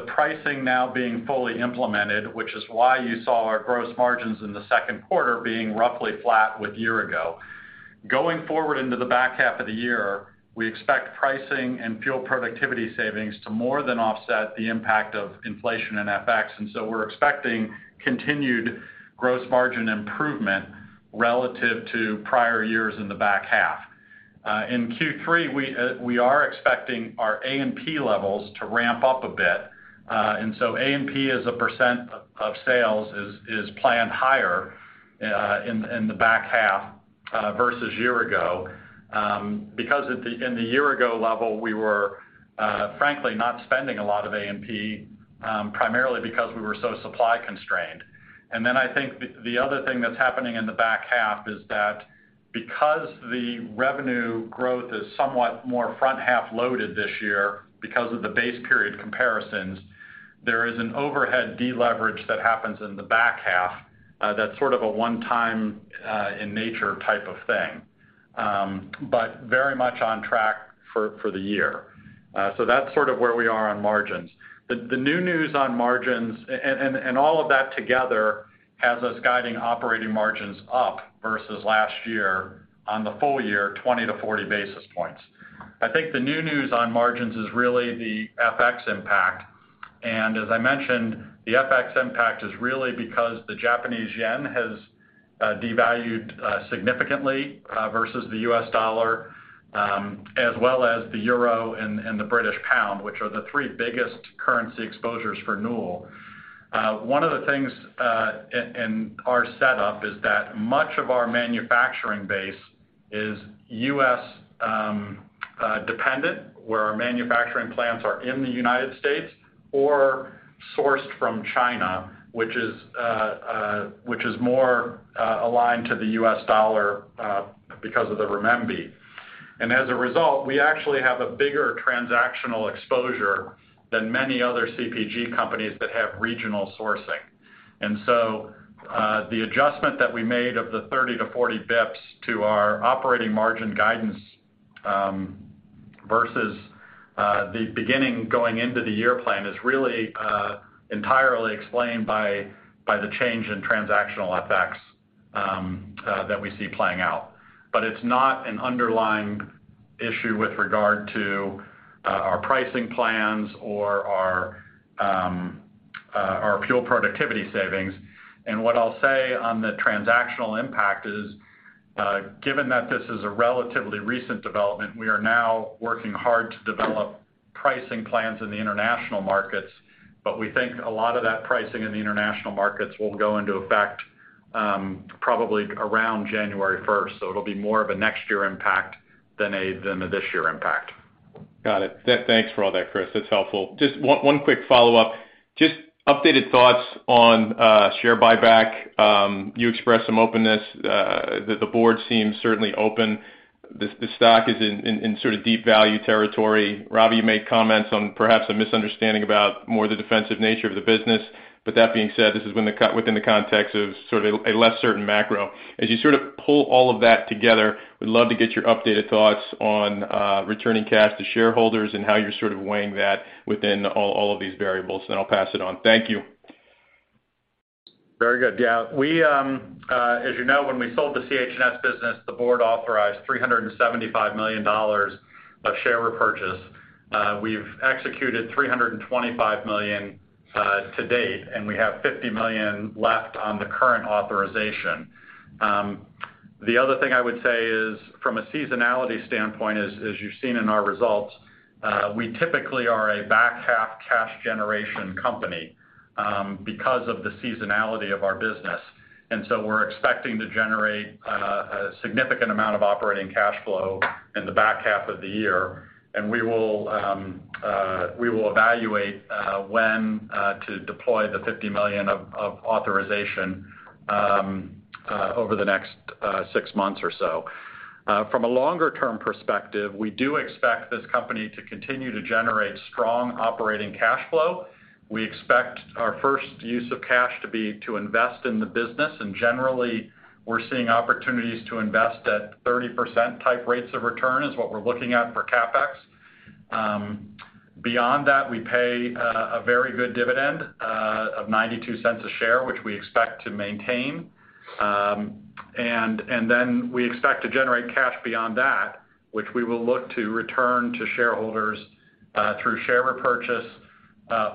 pricing now being fully implemented, which is why you saw our gross margins in the second quarter being roughly flat with year-ago. Going forward into the back half of the year, we expect pricing and fuel productivity savings to more than offset the impact of inflation and FX. We're expecting continued gross margin improvement relative to prior years in the back half. In Q3, we are expecting our A&P levels to ramp up a bit. A&P as a percent of sales is planned higher in the back half versus year ago, because in the year-ago level, we were frankly not spending a lot of A&P, primarily because we were so supply constrained. I think the other thing that's happening in the back half is that because the revenue growth is somewhat more front-half loaded this year because of the base period comparisons, there is an overhead deleverage that happens in the back half, that's sort of a one-time in nature type of thing. Very much on track for the year. That's sort of where we are on margins. The new news on margins. All of that together has us guiding operating margins up versus last year on the full year 20-40 basis points. I think the new news on margins is really the FX impact. As I mentioned, the FX impact is really because the Japanese yen has devalued significantly versus the U.S. dollar, as well as the euro and the British pound, which are the three biggest currency exposures for Newell. One of the things in our setup is that much of our manufacturing base is U.S. dependent, where our manufacturing plants are in the United States or sourced from China, which is more aligned to the U.S. dollar because of the renminbi. As a result, we actually have a bigger transactional exposure than many other CPG companies that have regional sourcing. The adjustment that we made of the 30-40 basis points to our operating margin guidance, versus the beginning going into the year plan is really entirely explained by the change in transactional FX that we see playing out. It's not an underlying issue with regard to our pricing plans or our pure productivity savings. What I'll say on the transactional impact is, given that this is a relatively recent development, we are now working hard to develop pricing plans in the international markets, but we think a lot of that pricing in the international markets will go into effect, probably around January first. It'll be more of a next year impact than a this year impact. Got it. Thanks for all that, Chris. That's helpful. Just one quick follow-up. Just updated thoughts on share buyback. You expressed some openness, the board seems certainly open. The stock is in sort of deep value territory. Ravi, you made comments on perhaps a misunderstanding about more the defensive nature of the business. That being said, this is when within the context of sort of a less certain macro. As you sort of pull all of that together, we'd love to get your updated thoughts on returning cash to shareholders and how you're sort of weighing that within all of these variables, then I'll pass it on. Thank you. Very good. Yeah. We, as you know, when we sold the CH&S business, the board authorized $375 million of share repurchase. We've executed $325 million to date, and we have $50 million left on the current authorization. The other thing I would say is, from a seasonality standpoint, as you've seen in our results, we typically are a back half cash generation company, because of the seasonality of our business. We're expecting to generate a significant amount of operating cash flow in the back half of the year. We will evaluate when to deploy the $50 million of authorization over the next six months or so. From a longer-term perspective, we do expect this company to continue to generate strong operating cash flow. We expect our first use of cash to be to invest in the business, and generally, we're seeing opportunities to invest at 30% type rates of return is what we're looking at for CapEx. Beyond that, we pay a very good dividend of $0.92 a share, which we expect to maintain. Then we expect to generate cash beyond that, which we will look to return to shareholders through share repurchase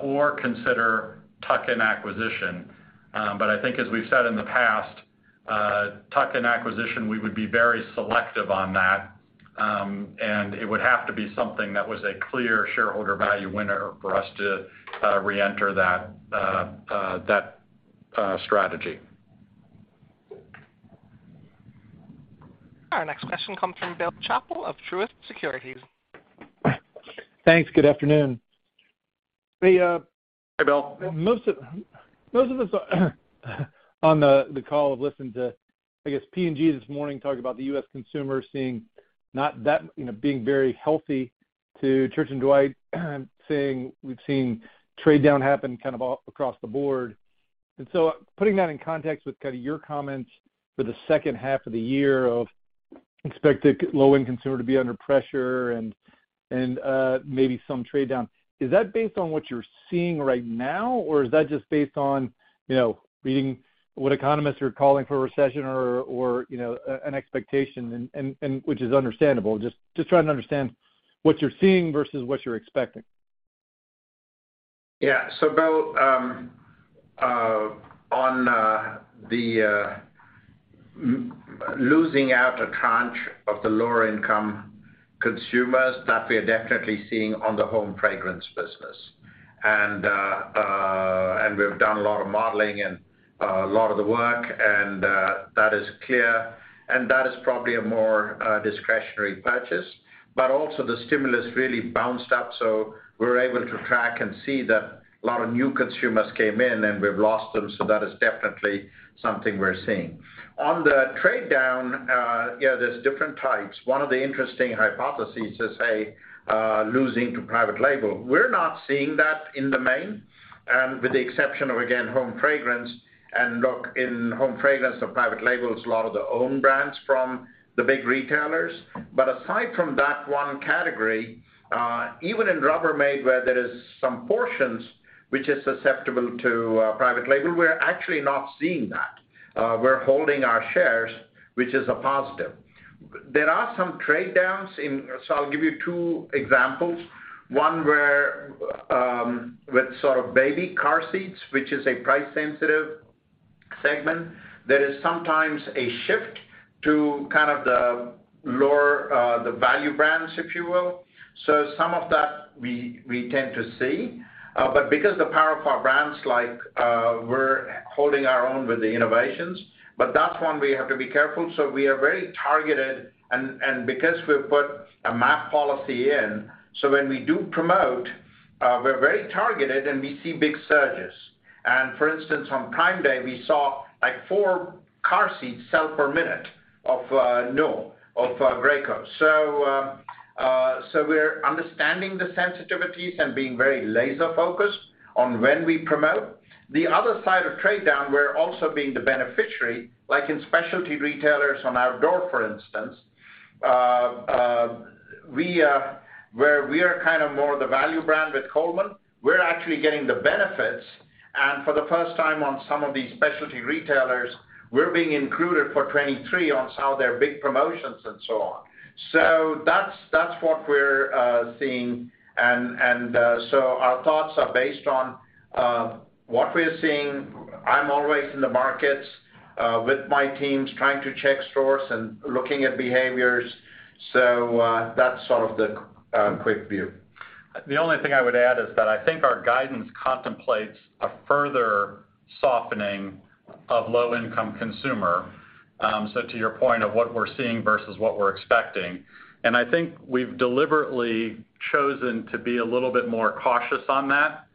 or consider tuck-in acquisition. I think as we've said in the past, tuck-in acquisition, we would be very selective on that, and it would have to be something that was a clear shareholder value winner for us to reenter that strategy. Our next question comes from Bill Chappell of Truist Securities. Thanks. Good afternoon. Hey. Hi, Bill. Most of us on the call have listened to, I guess, P&G this morning talk about the U.S. consumer seeing not that, you know, being very healthy to Church & Dwight saying we've seen trade down happen kind of across the board. Putting that in context with kind of your comments for the second half of the year of expected low-end consumer to be under pressure and maybe some trade down, is that based on what you're seeing right now? Or is that just based on, you know, reading what economists are calling for a recession or, you know, an expectation and which is understandable. Just trying to understand what you're seeing versus what you're expecting. Yeah. Bill, on losing out a tranche of the lower income consumers, that we are definitely seeing on the Home Fragrance business. We've done a lot of modeling and a lot of the work, and that is clear. That is probably a more discretionary purchase. Also the stimulus really bounced up, so we're able to track and see that a lot of new consumers came in, and we've lost them. That is definitely something we're seeing. On the trade down, yeah, there's different types. One of the interesting hypotheses to say, losing to private label. We're not seeing that in the main, with the exception of, again, Home Fragrance. Look, in Home Fragrance, the private label is a lot of the own brands from the big retailers. Aside from that one category, even in Rubbermaid, where there is some portions which is susceptible to private label, we're actually not seeing that. We're holding our shares, which is a positive. There are some trade downs. I'll give you two examples. One where, with sort of Baby car seats, which is a price sensitive segment, there is sometimes a shift to kind of the lower, the value brands, if you will. Some of that we tend to see. Because the power of our brands, like, we're holding our own with the innovations. That's one we have to be careful. We are very targeted and because we've put a MAP policy in, when we do promote, we're very targeted, and we see big surges. For instance, on Prime Day, we saw like four car seats sell per minute of Graco. We're understanding the sensitivities and being very laser focused on when we promote. The other side of trade down, we're also being the beneficiary, like in specialty retailers on outdoor, for instance. Where we are kind of more the value brand with Coleman, we're actually getting the benefits. For the first time on some of these specialty retailers, we're being included for 2023 on some of their big promotions and so on. That's what we're seeing. Our thoughts are based on what we're seeing. I'm always in the markets with my teams trying to check stores and looking at behaviors. That's sort of the quick view. The only thing I would add is that I think our guidance contemplates a further softening of low-income consumer, so to your point of what we're seeing versus what we're expecting. I think we've deliberately chosen to be a little bit more cautious on that,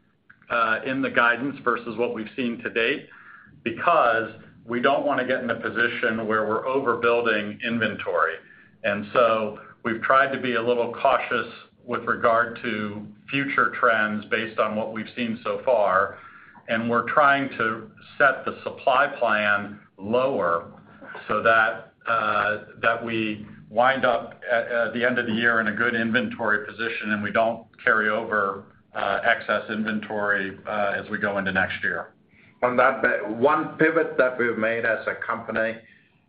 in the guidance versus what we've seen to date because we don't wanna get in a position where we're overbuilding inventory. We've tried to be a little cautious with regard to future trends based on what we've seen so far, and we're trying to set the supply plan lower so that we wind up at the end of the year in a good inventory position, and we don't carry over excess inventory as we go into next year. On that bet, one pivot that we've made as a company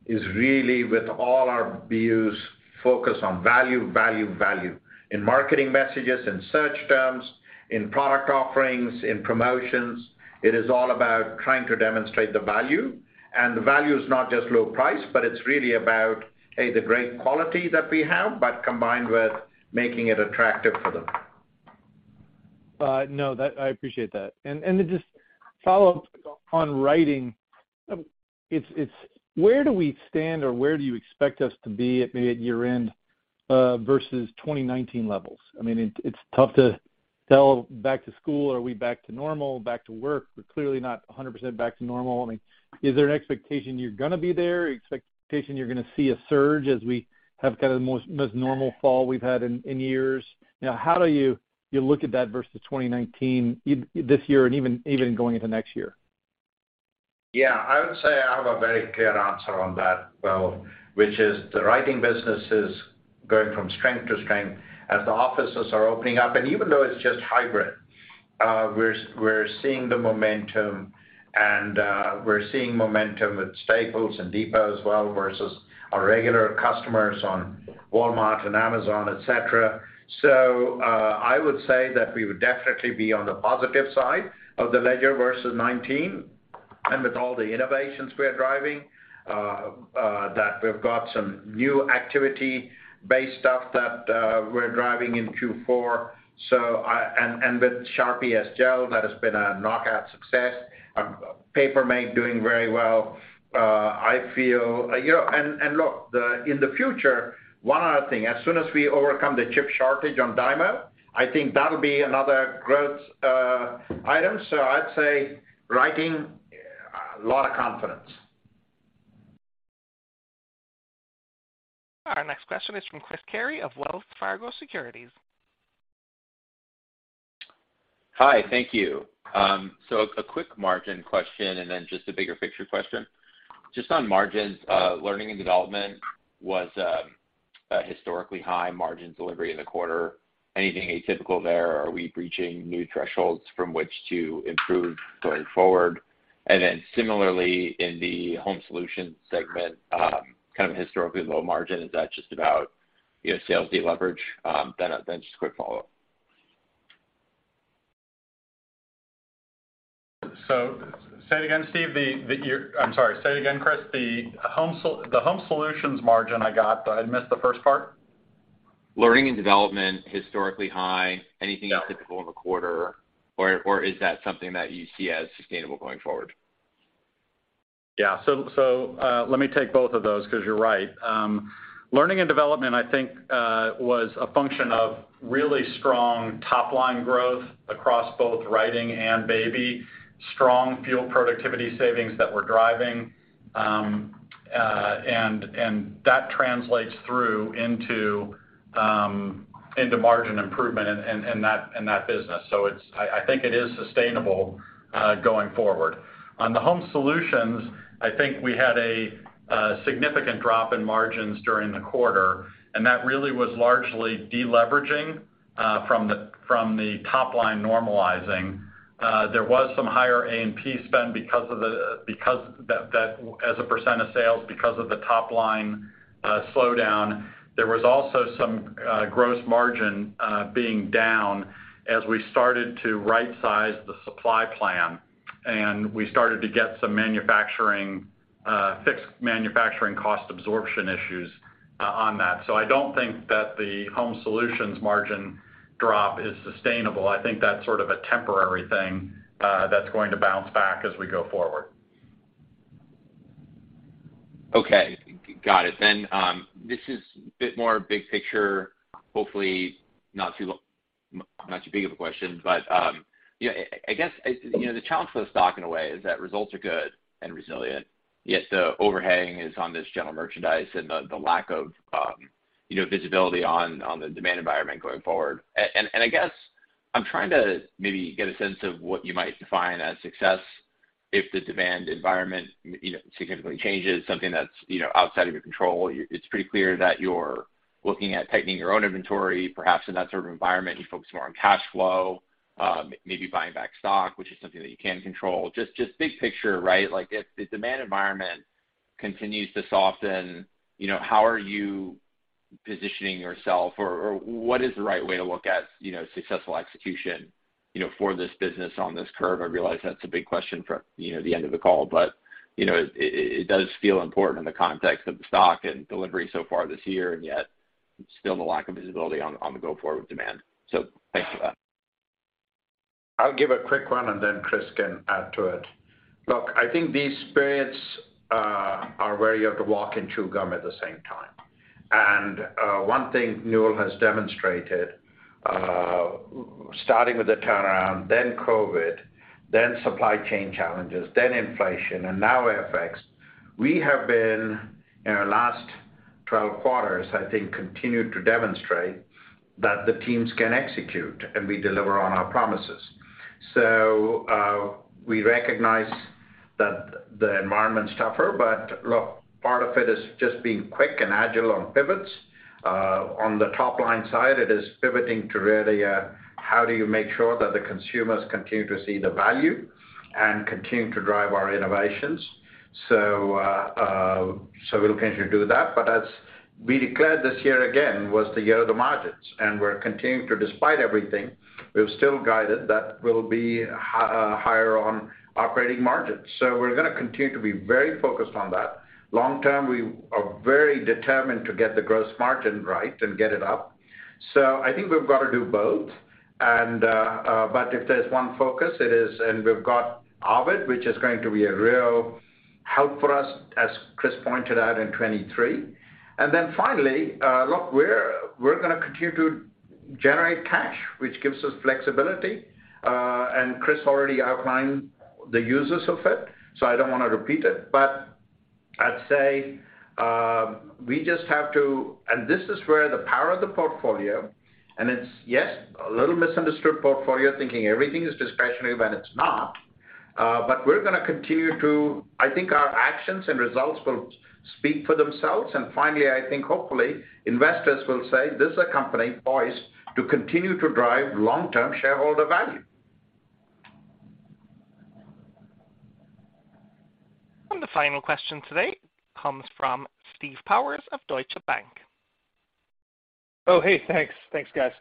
is really with all our views focused on value, value. In marketing messages, in search terms, in product offerings, in promotions, it is all about trying to demonstrate the value. The value is not just low price, but it's really about, A, the great quality that we have, but combined with making it attractive for them. No. I appreciate that. To just follow up on Writing, it's where do we stand, or where do you expect us to be at maybe at year-end versus 2019 levels? I mean, it's tough to tell back to school. Are we back to normal, back to work? We're clearly not 100% back to normal. I mean, is there an expectation you're gonna see a surge as we have kind of the most normal fall we've had in years? You know, how do you look at that versus 2019, this year and even going into next year? Yeah. I would say I have a very clear answer on that, Bill, which is the Writing business is going from strength to strength as the offices are opening up. Even though it's just hybrid, we're seeing the momentum and momentum with Staples and Office Depot as well versus our regular customers on Walmart and Amazon, et cetera. I would say that we would definitely be on the positive side of the ledger versus 2019. With all the innovations we are driving, that we've got some new activity based stuff that we're driving in Q4, and with Sharpie S-Gel, that has been a knockout success. Paper Mate doing very well. I feel, you know... Look, in the future, one other thing, as soon as we overcome the chip shortage on Dymo, I think that'll be another great item. I'd say Writing, a lot of confidence. Our next question is from Chris Carey of Wells Fargo Securities. Hi. Thank you. So a quick margin question, and then just a bigger picture question. Just on margins, Learning and Development was a historically high margin delivery in the quarter. Anything atypical there? Are we reaching new thresholds from which to improve going forward? Similarly, in the home solutions segment, kind of historically low margin, is that just about, you know, sales deleverage. Just a quick follow-up. Say it again, Steve. I'm sorry, say it again, Chris. The Home Solutions margin I got, I missed the first part. Learning and development historically high. Anything atypical in the quarter or is that something that you see as sustainable going forward? Let me take both of those because you're right. Learning and Development, I think, was a function of really strong top-line growth across both Writing and Baby, strong field productivity savings that we're driving, and that translates through into margin improvement in that business. It is sustainable, I think, going forward. On the Home Solutions, I think we had a significant drop in margins during the quarter, and that really was largely deleveraging from the top line normalizing. There was some higher A&P spend because of that as a percent of sales because of the top-line slowdown. There was also some gross margin being down as we started to right-size the supply plan, and we started to get some fixed manufacturing cost absorption issues on that. I don't think that the Home Solutions margin drop is sustainable. I think that's sort of a temporary thing that's going to bounce back as we go forward. Okay. Got it. This is a bit more big picture, hopefully not too big of a question, but, you know, I guess, you know, the challenge for the stock in a way is that results are good and resilient, yet the overhanging is on this general merchandise and the lack of, you know, visibility on the demand environment going forward. I guess I'm trying to maybe get a sense of what you might define as success if the demand environment, you know, significantly changes something that's, you know, outside of your control. It's pretty clear that you're looking at tightening your own inventory. Perhaps in that sort of environment, you focus more on cash flow, maybe buying back stock, which is something that you can control. Just big picture, right? Like, if the demand environment continues to soften, you know, how are you positioning yourself or what is the right way to look at, you know, successful execution, you know, for this business on this curve? I realize that's a big question for, you know, the end of the call, but, you know, it does feel important in the context of the stock and delivery so far this year, and yet still the lack of visibility on the go-forward demand. Thanks for that. I'll give a quick one, and then Chris can add to it. Look, I think these periods are where you have to walk and chew gum at the same time. One thing Newell has demonstrated, starting with the turnaround, then COVID, then supply chain challenges, then inflation, and now FX, we have been, in our last 12 quarters, I think, continued to demonstrate that the teams can execute, and we deliver on our promises. We recognize that the environment's tougher, but look, part of it is just being quick and agile on pivots. On the top-line side, it is pivoting to really, how do you make sure that the consumers continue to see the value and continue to drive our innovations. We'll continue to do that. As we declared this year again was the year of the margins, and we're continuing to, despite everything, we've still guided that we'll be higher on operating margins. We're gonna continue to be very focused on that. Long term, we are very determined to get the gross margin right and get it up. I think we've got to do both. If there's one focus, it is. We've got Ovid, which is going to be a real help for us, as Chris pointed out, in 2023. Finally, we're gonna continue to generate cash, which gives us flexibility. Chris already outlined the uses of it, so I don't want to repeat it. This is where the power of the portfolio, and it's, yes, a little misunderstood portfolio, thinking everything is discretionary when it's not, but we're gonna continue to. I think our actions and results will speak for themselves. Finally, I think hopefully investors will say, "This is a company poised to continue to drive long-term shareholder value. The final question today comes from Steve Powers of Deutsche Bank. Oh, hey. Thanks. Thanks, guys.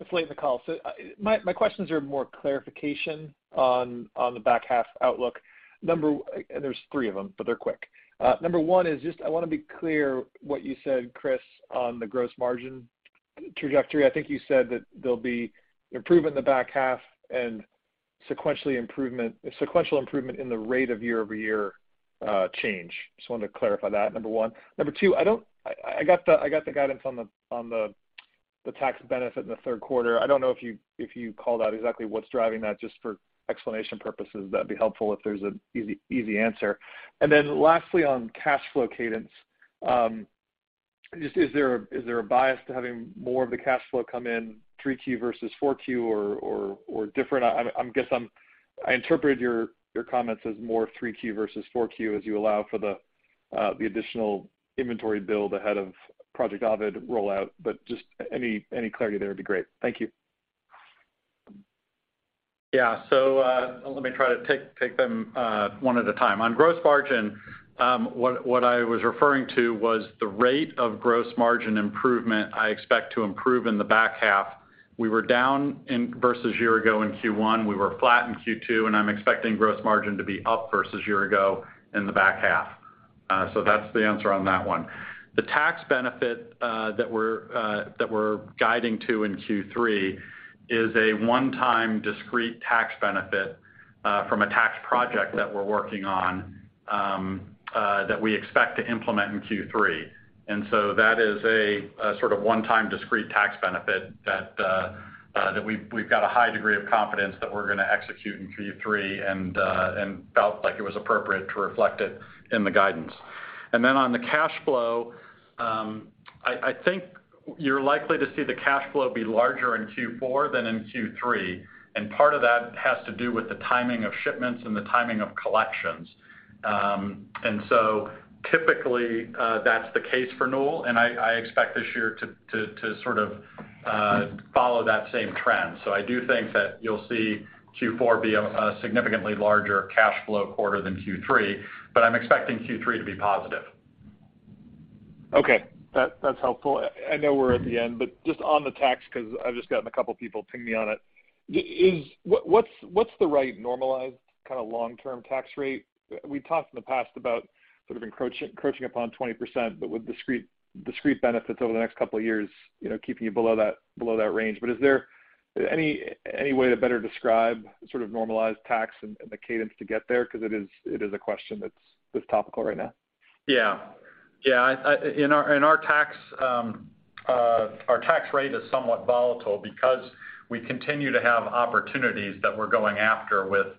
It's late in the call, so my questions are more clarification on the back half outlook. And there's three of them, but they're quick. Number one is just I wanna be clear what you said, Chris, on the gross margin trajectory. I think you said that there'll be improvement in the back half and sequential improvement in the rate of year-over-year change. Just wanted to clarify that, number one. Number two, I got the guidance on the tax benefit in the third quarter. I don't know if you called out exactly what's driving that just for explanation purposes. That'd be helpful if there's an easy answer. Then lastly, on cash flow cadence, just, is there a bias to having more of the cash flow come in 3Q versus 4Q or different? I guess I interpreted your comments as more 3Q versus 4Q as you allow for the additional inventory build ahead of Project Ovid rollout. Just any clarity there would be great. Thank you. Let me try to take them one at a time. On gross margin, what I was referring to was the rate of gross margin improvement I expect to improve in the back half. We were down 100 basis points versus year ago in Q1, we were flat in Q2, and I'm expecting gross margin to be up versus year ago in the back half. That's the answer on that one. The tax benefit that we're guiding to in Q3 is a one-time discrete tax benefit from a tax project that we're working on that we expect to implement in Q3. That is a sort of one-time discrete tax benefit that we've got a high degree of confidence that we're gonna execute in Q3 and felt like it was appropriate to reflect it in the guidance. On the cash flow, I think you're likely to see the cash flow be larger in Q4 than in Q3, and part of that has to do with the timing of shipments and the timing of collections. Typically, that's the case for Newell, and I expect this year to sort of follow that same trend. I do think that you'll see Q4 be a significantly larger cash flow quarter than Q3, but I'm expecting Q3 to be positive. That's helpful. I know we're at the end, but just on the tax, 'cause I've just gotten a couple people ping me on it. What's the right normalized kind of long-term tax rate? We've talked in the past about sort of encroaching upon 20%, but with discrete benefits over the next couple years, you know, keeping you below that range. Is there any way to better describe sort of normalized tax and the cadence to get there? 'Cause it is a question that's topical right now. In our tax rate is somewhat volatile because we continue to have opportunities that we're going after with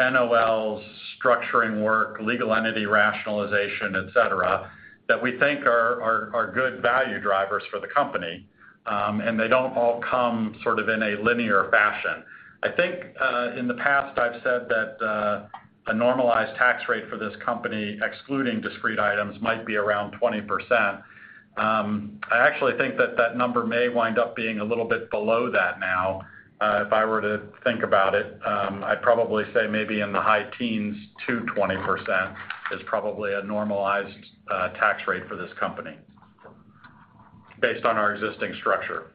NOLs, structuring work, legal entity rationalization, et cetera, that we think are good value drivers for the company. They don't all come sort of in a linear fashion. I think in the past I've said that a normalized tax rate for this company, excluding discrete items, might be around 20%. I actually think that number may wind up being a little bit below that now, if I were to think about it. I'd probably say maybe in the high teens to 20% is probably a normalized tax rate for this company based on our existing structure.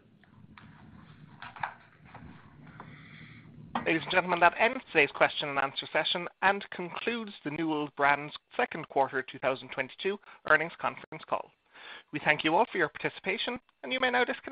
Ladies and gentlemen, that ends today's question and answer session and concludes the Newell Brands second quarter 2022 earnings conference call. We thank you all for your participation, and you may now disconnect.